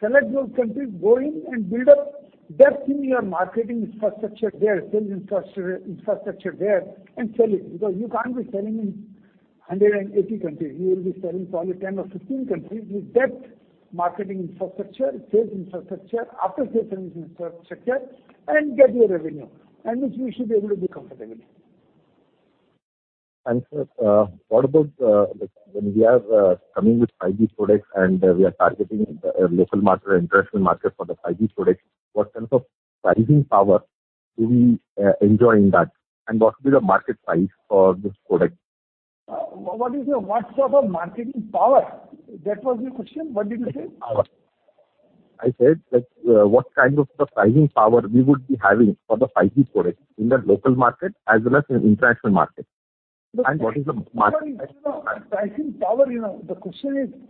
select those countries, go in and build up depth in your marketing infrastructure there, sales infrastructure there, and sell it because you cannot be selling in 180 countries. You will be selling probably 10 or 15 countries with depth marketing infrastructure, sales infrastructure, after sales infrastructure, and get your revenue, and which we should be able to do comfortably. Sir, what about when we are coming with 5G products and we are targeting the local market or international market for the 5G products, what kind of pricing power do we enjoy in that, and what will be the market size for this product? What sort of marketing power? That was the question? What did you say? I said, what kind of the pricing power we would be having for the 5G products in the local market as well as in international market. What is the market size? Pricing power, the question is,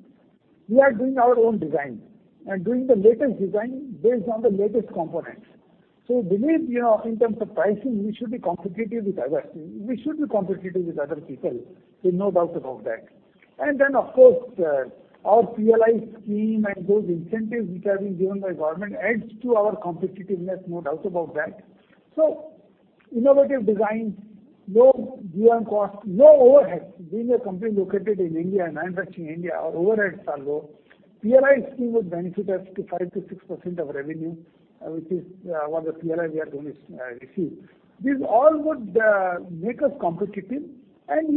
we are doing our own design and doing the latest design based on the latest components. Believe in terms of pricing, we should be competitive with others. We should be competitive with other people. There's no doubt about that. Of course, our PLI scheme and those incentives which are being given by government adds to our competitiveness, no doubt about that. Innovative design, [inaudible] low overheads. Being a company located in India and manufacturing in India, our overheads are low. PLI scheme would benefit us to 5%-6% of revenue, which is what the PLI we are going to receive. These all would make us competitive, and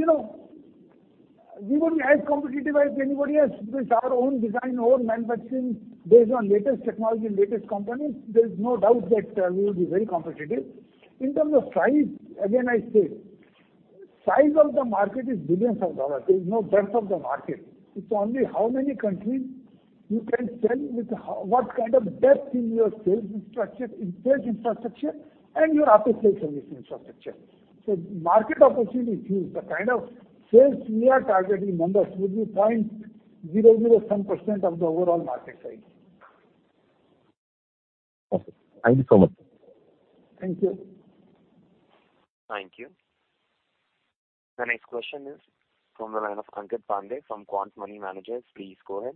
we would be as competitive as anybody else with our own design, our own manufacturing based on latest technology and latest components. There's no doubt that we would be very competitive. In terms of size, again, I say, size of the market is billions of dollars. There's no dearth of the market. It's only how many countries you can tell with what kind of depth in your sales infrastructure and your after-sales service infrastructure. Market opportunity is huge. The kind of sales we are targeting numbers would be 0.00 some percent of the overall market size. Okay. Thank you so much. Thank you. Thank you. The next question is from the line of Ankit Pande from Quant Money Managers. Please go ahead.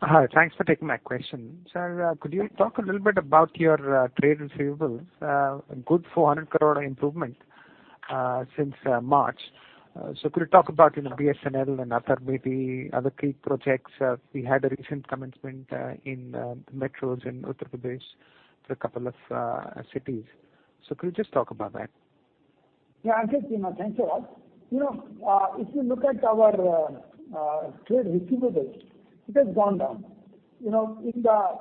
Hi. Thanks for taking my question. Sir, could you talk a little bit about your trade receivables? A good 400 crore improvement since March. Could you talk about BSNL and other maybe other key projects? We had a recent commencement in metros in Uttar Pradesh for a couple of cities. Could you just talk about that? Yeah, Ankit, thanks a lot. If you look at our trade receivables, it has gone down. In the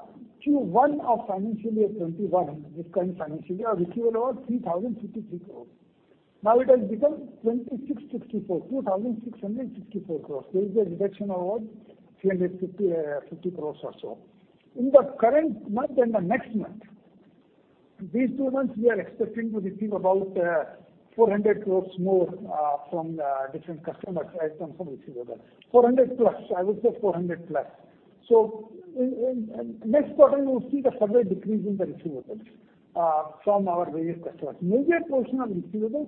Q1 of financial year 2021, this current financial year, receivable was INR 3,053 crores. Now it has become 2,664 crores. There is a reduction of what? 350 crores or so. In the current month and the next month, these two months, we are expecting to receive about 400 crores more from different customers as terms of receivables. 400+ crores, I would say 400 plus. In next quarter, you will see the further decrease in the receivables from our various customers. Major portion of receivables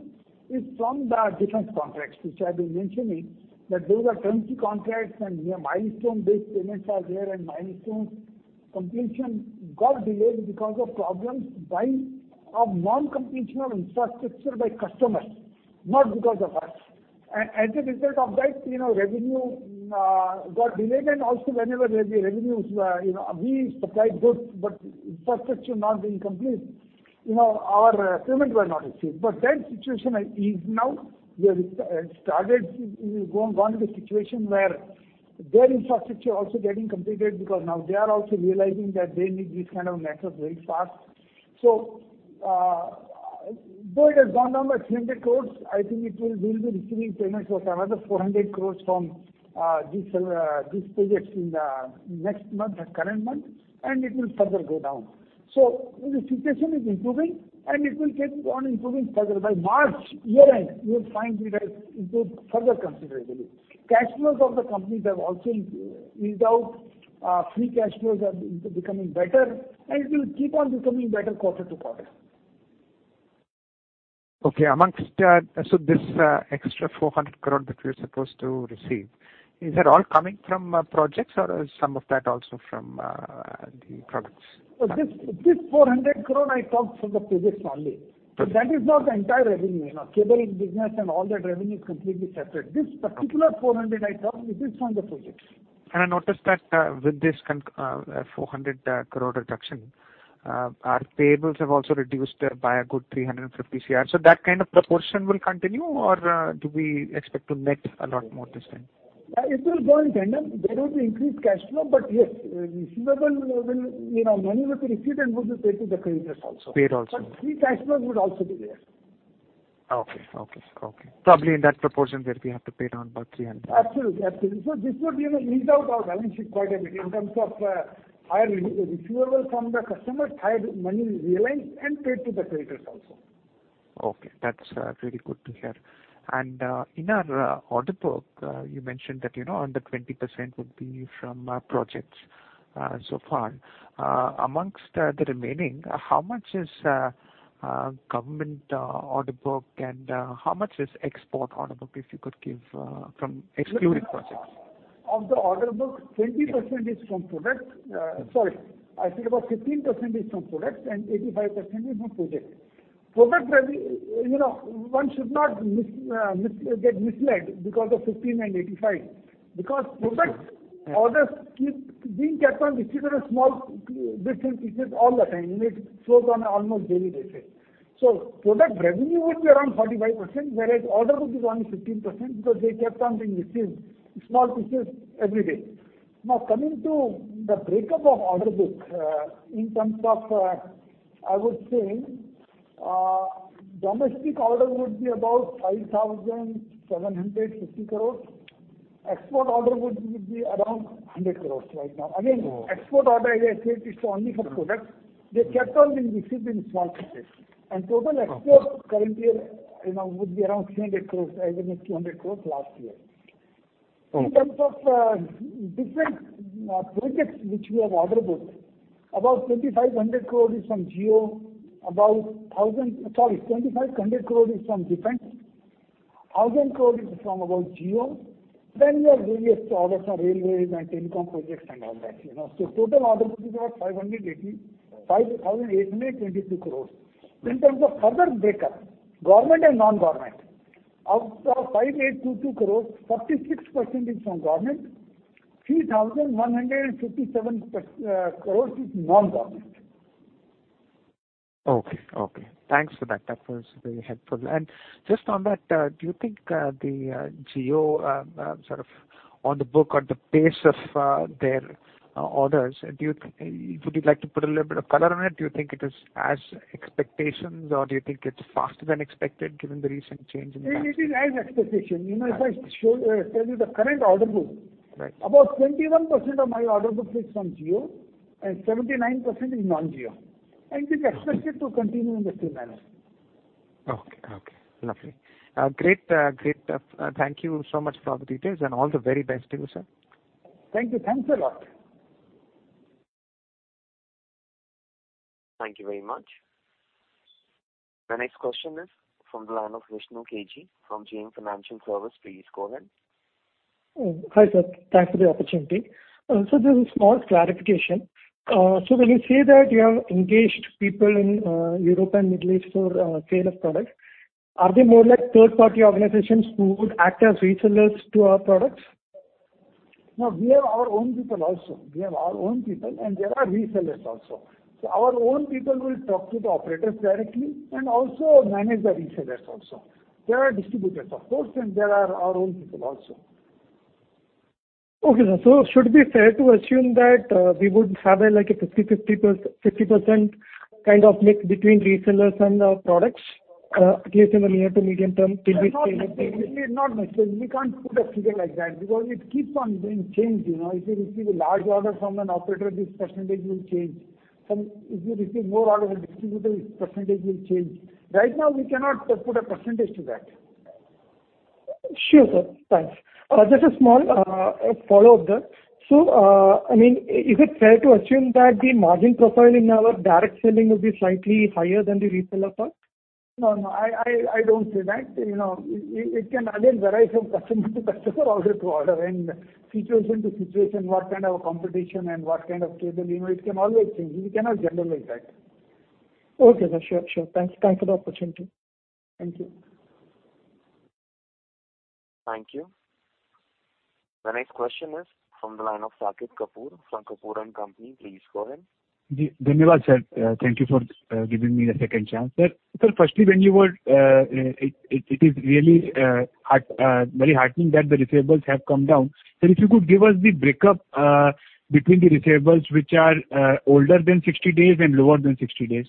is from the defense contracts, which I've been mentioning, that those are turnkey contracts, and we have milestone-based payments are there, and milestone completion got delayed because of problems of non-completion of infrastructure by customers, not because of us. As a result of that, revenue got delayed, and also whenever there'll be revenues, we supply goods, but infrastructure not being complete, our payment were not received. That situation is now we have started gone to the situation where their infrastructure also getting completed because now they are also realizing that they need these kind of networks very fast. Though it has gone down by 300 crore, I think we'll be receiving payments of another 400 crore from these projects in the next month or current month, and it will further go down. The situation is improving, and it will keep on improving further. By March year-end, you will find it has improved further considerably. Cash flows of the company have also eased out. Free cash flows are becoming better, and it will keep on becoming better quarter to quarter. Okay. This extra 400 crore that you're supposed to receive, is that all coming from projects or some of that also from the products? This 400 crore I talked from the projects only. That is not the entire revenue. Cabling business and all that revenue is completely separate. This particular 400 I talked is just from the projects. I noticed that with this 400 crore reduction, our payables have also reduced by a good 350 crore. That kind of proportion will continue, or do we expect to net a lot more this time? It will go in tandem. There will be increased cash flow. Yes, money will be received and would be paid to the creditors also. Paid also. Free cash flow would also be there. Okay. Probably in that proportion where we have to pay down about 300. Absolutely. This would ease out our balance sheet quite a bit in terms of higher receivables from the customer, higher money realized, and paid to the creditors also. Okay. That's really good to hear. In our order book, you mentioned that under 20% would be from projects so far. Amongst the remaining, how much is government order book, and how much is export order book, if you could give from excluding projects? Of the order book, 20% is from product. Sorry. I said about 15% is from products and 85% is from projects. One should not get misled because of 15% and 85% because product orders keep being kept on received in a small bits and pieces all the time. It flows on almost daily basis. Product revenue would be around 45%, whereas order would be only 15% because they kept on being received in small pieces every day. Coming to the breakup of order book, in terms of, I would say, domestic order would be about 5,750 crores. Export order would be around 100 crores right now. Export order, as I said, is only for products. They kept on being received in small pieces. Total exports currently would be around INR 300 crores, even INR 200 crores last year. Oh. In terms of different projects which we have order book, about 2,500 crore is from Jio, 2,500 crore is from defense, 1,000 crore is from about Jio, then we have various orders from railways and telecom projects and all that. Total order book is about 5,822 crore. In terms of further breakup, government and non-government. Out of 5,822 crore, 36% is from government, 3,157 crore is non-government. Okay. Thanks for that. That was very helpful. Just on that, do you think the Jio sort of on the book or the pace of their orders, would you like to put a little bit of color on it? Do you think it is as expectations or do you think it's faster than expected given the recent change in that? It is as expectation. If I tell you the current order book. Right about 21% of my order book is from Jio and 79% is non-Jio. It is expected to continue in the same manner. Okay. Lovely. Great. Thank you so much for all the details, and all the very best to you, sir. Thank you. Thanks a lot. Thank you very much. The next question is from the line of Vishnu K G from JM Financial Services. Please go ahead. Hi, sir. Thanks for the opportunity. Sir, there is a small clarification. When you say that you have engaged people in Europe and Middle East for sale of products, are they more like third-party organizations who would act as resellers to our products? No. We have our own people also. We have our own people, and there are resellers also. Our own people will talk to the operators directly and also manage the resellers also. There are distributors, of course, and there are our own people also. Okay, sir. Should it be fair to assume that we would have a 50%-kind of mix between resellers and our products, at least in the near to medium term? No, not necessarily. We can't put a figure like that because it keeps on doing change. If we receive a large order from an operator, this percentage will change. If we receive more orders from distributors, percentage will change. Right now, we cannot put a percentage to that. Sure, sir. Thanks. Just a small follow-up there. Is it fair to assume that the margin profile in our direct selling will be slightly higher than the reseller part? No, I don't say that. It can again vary from customer to customer, order to order and situation to situation, what kind of competition and what kind of cable. It can always change. We cannot generalize that. Okay, sir. Sure. Thanks for the opportunity. Thank you. Thank you. The next question is from the line of [Saket Kapoor from Kapoor & Company.] Please go ahead. Thank you for giving me a second chance. Sir, firstly, it is really very heartening that the receivables have come down. Sir, if you could give us the breakup between the receivables which are older than 60 days and lower than 60 days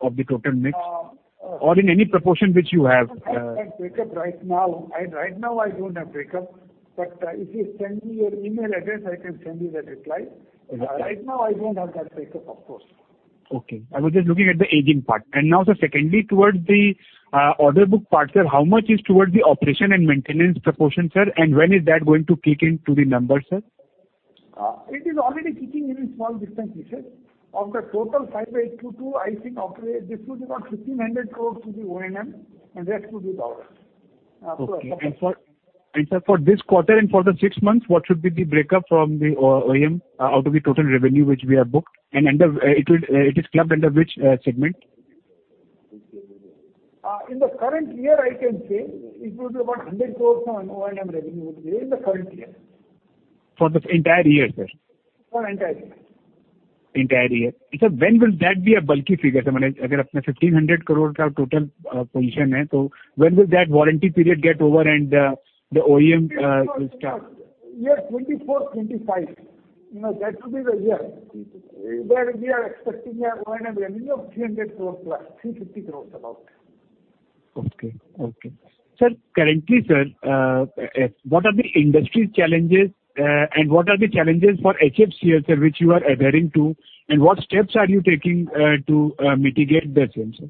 of the total mix or in any proportion which you have. I don't have breakup right now, but if you send me your email address, I can send you the reply. Right now I don't have that breakup, of course. Okay. I was just looking at the aging part. Now, sir, secondly, towards the order book part, sir, how much is towards the operation and maintenance proportion, sir, and when is that going to kick into the numbers, sir? It is already kicking in in small, different pieces. Of the total 5,822, I think this would be about 1,500 crore to the O&M, and rest would be the orders. Okay. sir, for this quarter and for the six months, what should be the breakup from the O&M out of the total revenue which we have booked? It is clubbed under which segment? In the current year, I can say it will be about 100 crores from O&M revenue in the current year. For the entire year, sir? For entire year. Entire year. Sir, when will that be a bulky figure? If we have a total position of 1,500 crores, when will that warranty period get over and the O&M will start? Year 2024, 2025. That will be the year where we are expecting an O&M revenue of 300+ crore, 350 crore, about. Okay. Sir, currently, what are the industry's challenges and what are the challenges for HFCL, sir, which you are adhering to, and what steps are you taking to mitigate the same, sir?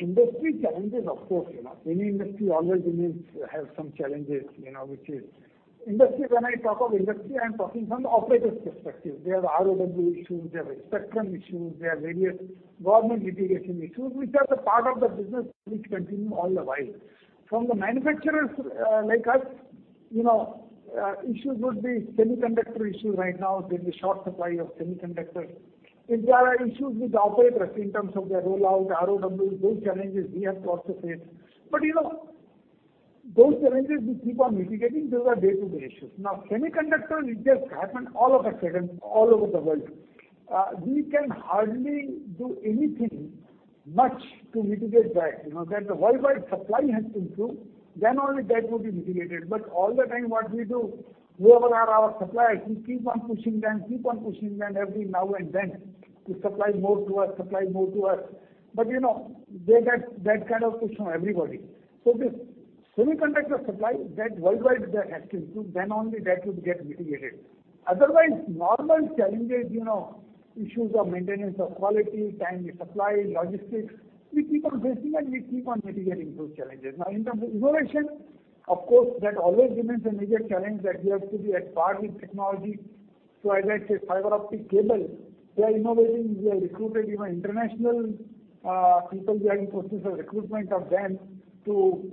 Industry challenges, of course, any industry always have some challenges. When I talk of industry, I'm talking from the operator's perspective. They have ROW issues, they have spectrum issues, they have various government litigation issues, which are the part of the business which continue all the while. From the manufacturers like us, issues would be semiconductor issue right now. There's a short supply of semiconductors. If there are issues with the operators in terms of their rollout, ROW, those challenges we have to also face. Those challenges we keep on mitigating. Those are day-to-day issues. Semiconductors, it just happened all of a sudden, all over the world. We can hardly do anything much to mitigate that. When the worldwide supply has to improve, then only that would be mitigated. All the time, what we do, whoever are our suppliers, we keep on pushing them every now and then to supply more to us. They get that kind of push from everybody. The semiconductor supply, that worldwide has to improve, then only that would get mitigated. Otherwise, normal challenges, issues of maintenance, of quality, timely supply, logistics, we keep on facing and we keep on mitigating those challenges. In terms of innovation, of course, that always remains a major challenge that we have to be at par with technology. As I said, fiber optic cable, we are innovating. We have recruited international people. We are in process of recruitment of them to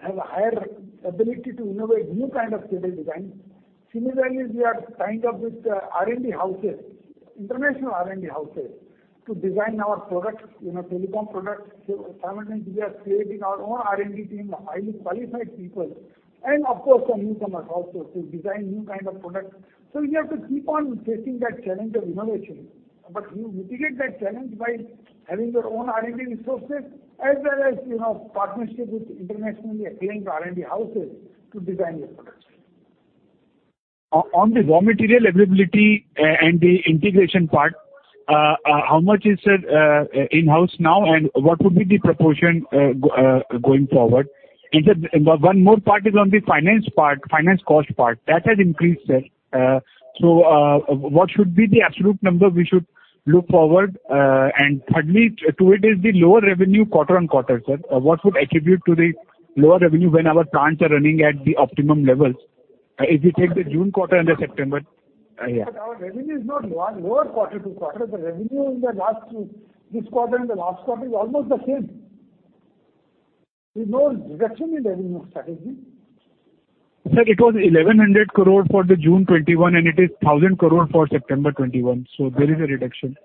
have a higher ability to innovate new kind of cable design. Similarly, we are tying up with R&D houses, international R&D houses, to design our products, telecom products. Simultaneously, we are creating our own R&D team of highly qualified people and, of course, the newcomers also to design new kind of products. We have to keep on facing that challenge of innovation. You mitigate that challenge by having your own R&D resources as well as partnership with internationally acclaimed R&D houses to design your products. On the raw material availability and the integration part, how much is it in-house now and what would be the proportion going forward? One more part is on the finance part, finance cost part. That has increased, sir. What should be the absolute number we should look forward? Thirdly to it is the lower revenue quarter-on-quarter, sir. What would attribute to the lower revenue when our plants are running at the optimum levels? If you take the June quarter and the September. Our revenue is not lower quarter-to-quarter. The revenue in this quarter and the last quarter is almost the same. There's no reduction in revenue, Saket. Sir, it was 1,100 crore for the June 2021, and it is 1,000 crore for September 2021. There is a reduction.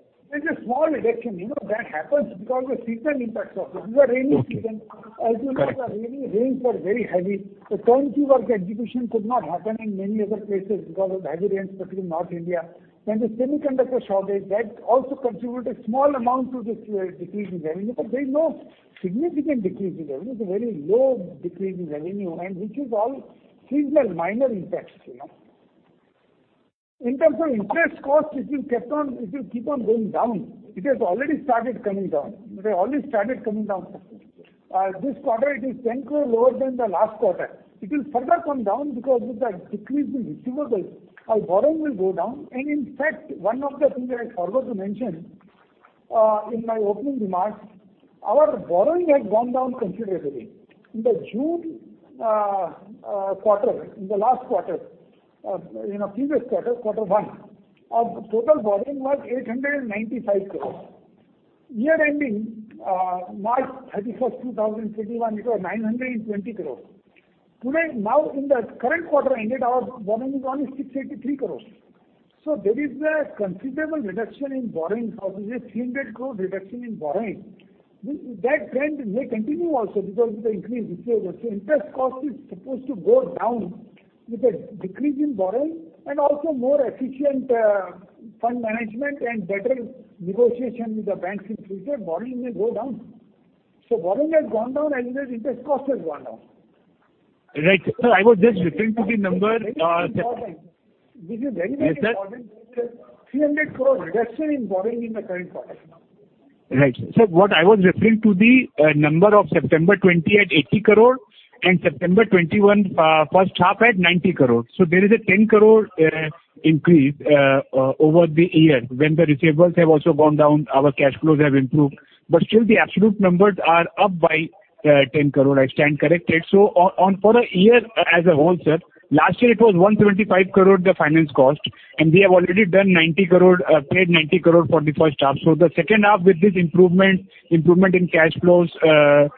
There's a small reduction. That happens because of seasonal impacts also. These are rainy seasons. Okay. Correct. As you know, the rains were very heavy. The turnkey work execution could not happen in many other places because of the heavy rains, particularly North India. The semiconductor shortage, that also contributed a small amount to this decrease in revenue. There is no significant decrease in revenue. It's a very low decrease in revenue, and which is all seasonal, minor impacts. In terms of interest cost, it will keep on going down. It has already started coming down. This quarter, it is 10 crore lower than the last quarter. It will further come down because with that decrease in receivables, our borrowing will go down. In fact, one of the things I forgot to mention in my opening remarks, our borrowing has gone down considerably. In the June quarter, in the previous quarter one, our total borrowing was 895 crore. Year ending March 31st 2021, it was 920 crore. Today, now in the current quarter ended, our borrowing is only 683 crores. There is a considerable reduction in borrowings, obviously a 300 crore reduction in borrowing. That trend may continue also because of the increased receivables. Interest cost is supposed to go down with a decrease in borrowing and also more efficient fund management and better negotiation with the banks in future, borrowing may go down. Borrowing has gone down as well as interest cost has gone down. Right. Sir, I was just referring to the number- This is very, very important. Yes, sir. There's a INR 300 crore reduction in borrowing in the current quarter. Right. Sir, what I was referring to the number of September 2020 at 80 crore and September 2021 first half at 90 crore. There is a 10 crore increase over the year. When the receivables have also gone down, our cash flows have improved. Still, the absolute numbers are up by 10 crore. I stand corrected. For a year as a whole, sir, last year it was 125 crore, the finance cost, and we have already paid 90 crore for the first half. The second half with this improvement in cash flows, we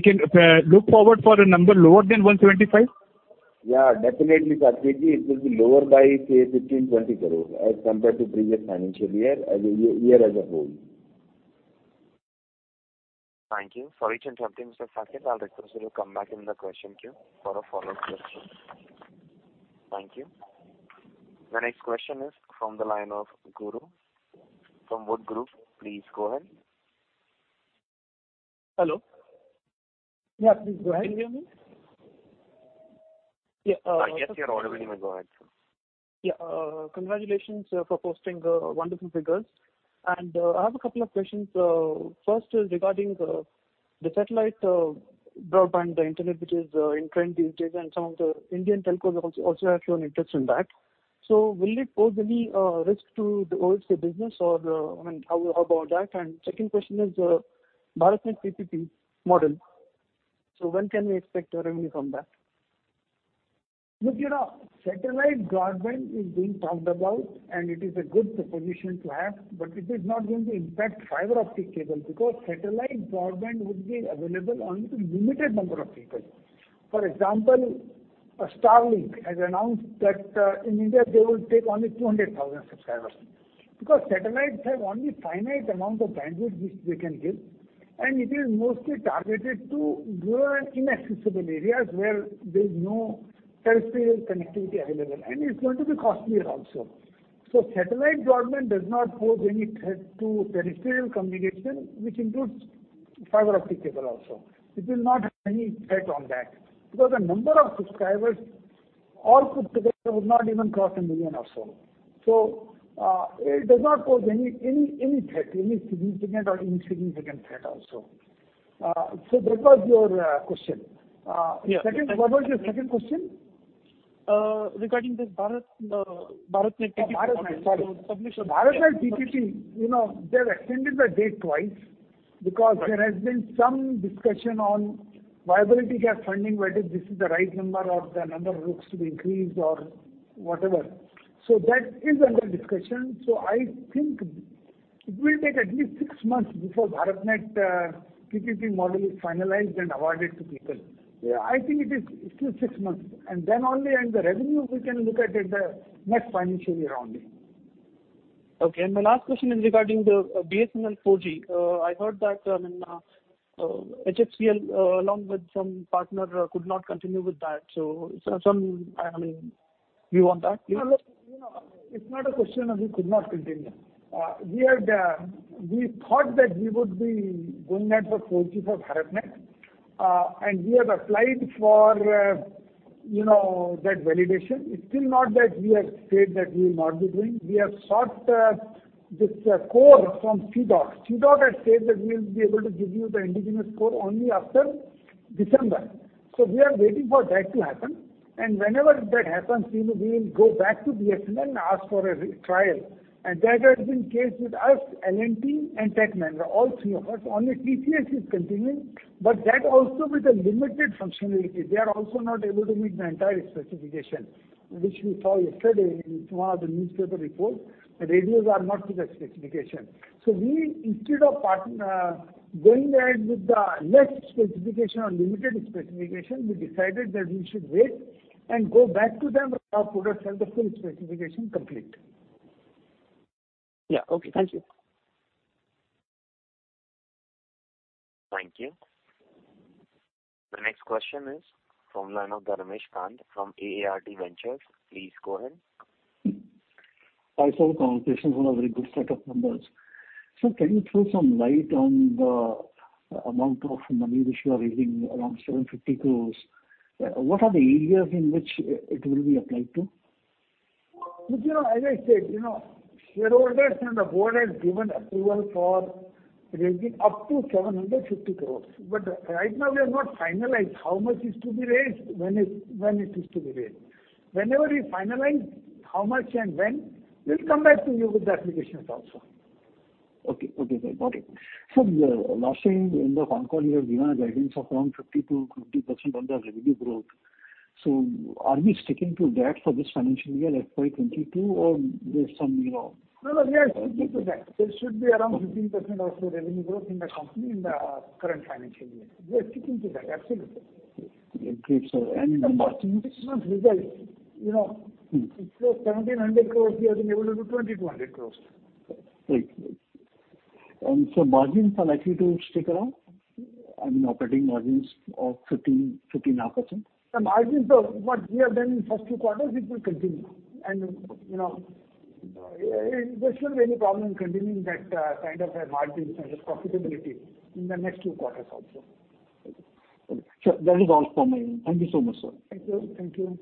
can look forward for a number lower than 125? Yeah, definitely, Saket. It will be lower by, say, 15 crore, 20 crore as compared to previous financial year as a whole. Thank you. Sorry to interrupt you, Mr. Saket. I will request you to come back in the question queue for a follow-up question. Thank you. The next question is from the line of Guru from Wood Group? Please go ahead. Hello. Yeah, please go ahead. Can you hear me? Yes, we can. Go ahead, sir. Yeah. Congratulations for posting wonderful figures. I have a couple of questions. First is regarding the satellite broadband internet, which is in trend these days, and some of the Indian telcos also have shown interest in that. Will it pose any risk to the OFC business or how about that? Second question is BharatNet PPP model. When can we expect revenue from that? Look, satellite broadband is being talked about. It is a good proposition to have, it is not going to impact fiber optic cable because satellite broadband would be available only to limited number of people. For example, Starlink has announced that in India they will take only 200,000 subscribers. Satellites have only finite amount of bandwidth which they can give, it is mostly targeted to rural and inaccessible areas where there is no terrestrial connectivity available, it's going to be costlier also. Satellite broadband does not pose any threat to terrestrial communication, which includes fiber optic cable also. It will not have any effect on that, the number of subscribers all put together would not even cross a million or so. It does not pose any threat, any significant or insignificant threat also. That was your question. Yeah. What was your second question? Regarding this BharatNet PPP model. BharatNet, sorry. So publisher- BharatNet PPP, they have extended the date twice because there has been some discussion on viability gap funding, whether this is the right number or the number looks to be increased or whatever. That is under discussion. I think it will take at least six months before BharatNet PPP model is finalized and awarded to people. I think it is still six months. Then only, and the revenue we can look at in the next financial year only. Okay. My last question is regarding the BSNL 4G. I heard that HFCL, along with some partner, could not continue with that. Some, I mean, view on that please? It's not a question of we could not continue. We thought that we would be going ahead for 4G for BharatNet, and we have applied for that validation. It's still not that we have said that we will not be doing. We have sought this core from C-DOT. C-DOT has said that we'll be able to give you the indigenous core only after December. We are waiting for that to happen, and whenever that happens, we will go back to BSNL and ask for a retrial. That has been the case with us, L&T, and Tech Mahindra, all three of us. Only TCS is continuing, but that also with a limited functionality. They are also not able to meet the entire specification, which we saw yesterday in some of the newspaper reports. The radios are not to that specification. We, instead of going ahead with the less specification or limited specification, we decided that we should wait and go back to them when our products have the full specification complete. Yeah. Okay. Thank you. Thank you. The next question is from the line of [Garmesh Kant from A R D Ventures]. Please go ahead. Hi, sir. Congratulations on a very good set of numbers. Sir, can you throw some light on the amount of money which you are raising around 750 crores? What are the areas in which it will be applied to? Look, as I said, shareholders and the board have given approval for raising up to 750 crores. Right now, we have not finalized how much is to be raised, when it is to be raised. Whenever we finalize how much and when, we'll come back to you with the applications also. Okay. Got it. Sir, last time in the concall, you had given a guidance of around 15%-20% on the revenue growth. Are we sticking to that for this financial year, FY 2022, or there's some, you know? No, we are sticking to that. There should be around 15% of the revenue growth in the company in the current financial year. We are sticking to that. Absolutely. Okay. Great, sir. In this one's result, instead of INR 1,700 crores, we have been able to do INR 2,200 crores. Right. Margins are likely to stick around? I mean, operating margins of 15.5%? The margins, what we have done in the first two quarters, it will continue. There shouldn't be any problem continuing that kind of margins and profitability in the next two quarters also. Okay. Sir, that is all from me. Thank you so much, sir. Thank you.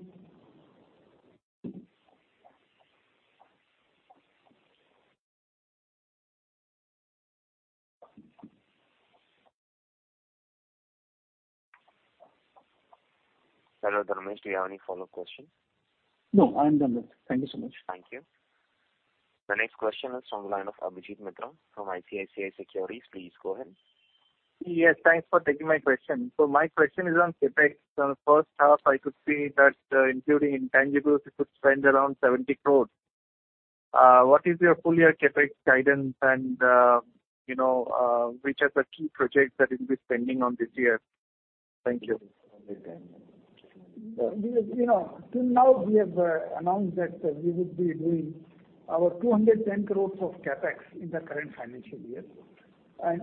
Hello, [Garmesh], do you have any follow-up questions? No, I am done. Thank you so much. Thank you. The next question is on the line of Abhijit Mitra from ICICI Securities. Please go ahead. Yes, thanks for taking my question. My question is on CapEx. On the first half, I could see that including intangibles, you could spend around 70 crores. What is your full year CapEx guidance and which are the key projects that you'll be spending on this year? Thank you. Till now, we have announced that we would be doing our 210 crore of CapEx in the current financial year.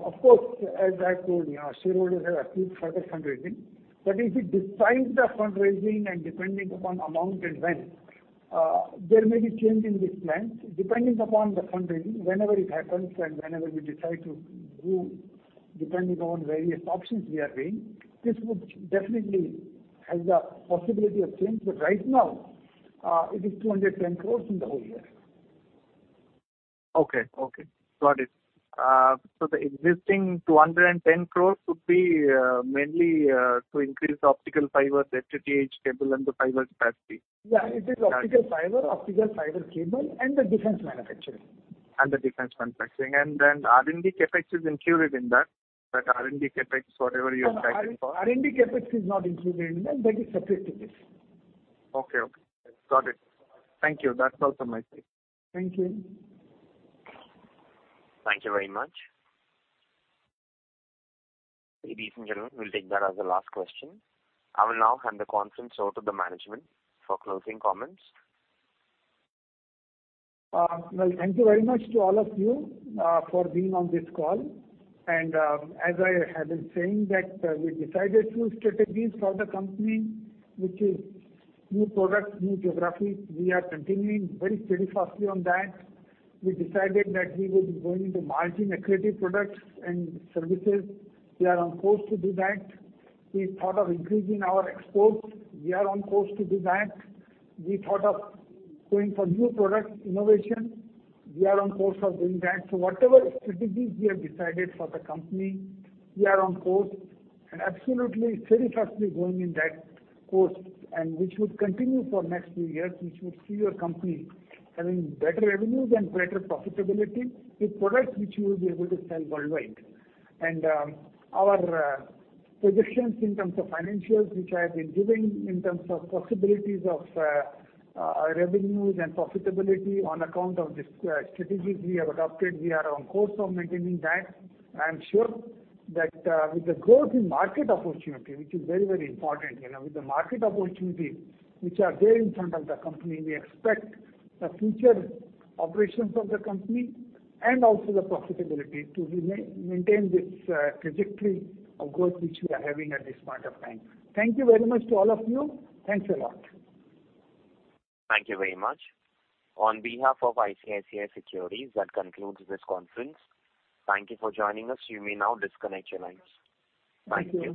Of course, as I told you, our shareholders have approved further fundraising. If we decide the fundraising and depending upon amount and when, there may be change in this plan. Depending upon the fundraising, whenever it happens, and whenever we decide to do, depending on various options we are weighing, this would definitely have the possibility of change. Right now, it is 210 crore in the whole year. Okay. Got it. The existing 210 crores would be mainly to increase optical fiber, FTTH cable, and the fiber capacity? Yeah, it is optical fiber, optical fiber cable, and the defense manufacturing. The defense manufacturing. R&D CapEx is included in that R&D CapEx, whatever you have guided for? R&D CapEx is not included in that. That is separate to this. Okay. Got it. Thank you. That's all from my side. Thank you. Thank you very much. Ladies and gentlemen, we'll take that as the last question. I will now hand the conference over to the management for closing comments. Well, thank you very much to all of you for being on this call. As I have been saying that we decided few strategies for the company, which is new products, new geographies. We are continuing very steadfastly on that. We decided that we would be going into margin-accretive products and services. We are on course to do that. We thought of increasing our exports. We are on course to do that. We thought of going for new product innovation. We are on course of doing that. Whatever strategies we have decided for the company, we are on course, and absolutely steadfastly going in that course, and which would continue for next few years, which would see your company having better revenues and better profitability with products which we will be able to sell worldwide. Our projections in terms of financials, which I have been giving in terms of possibilities of our revenues and profitability on account of the strategies we have adopted, we are on course of maintaining that. I am sure that with the growth in market opportunity, which is very important, with the market opportunities which are there in front of the company, we expect the future operations of the company and also the profitability to maintain this trajectory of growth which we are having at this point of time. Thank you very much to all of you. Thanks a lot. Thank you very much. On behalf of ICICI Securities, that concludes this conference. Thank you for joining us. You may now disconnect your lines. Thank you.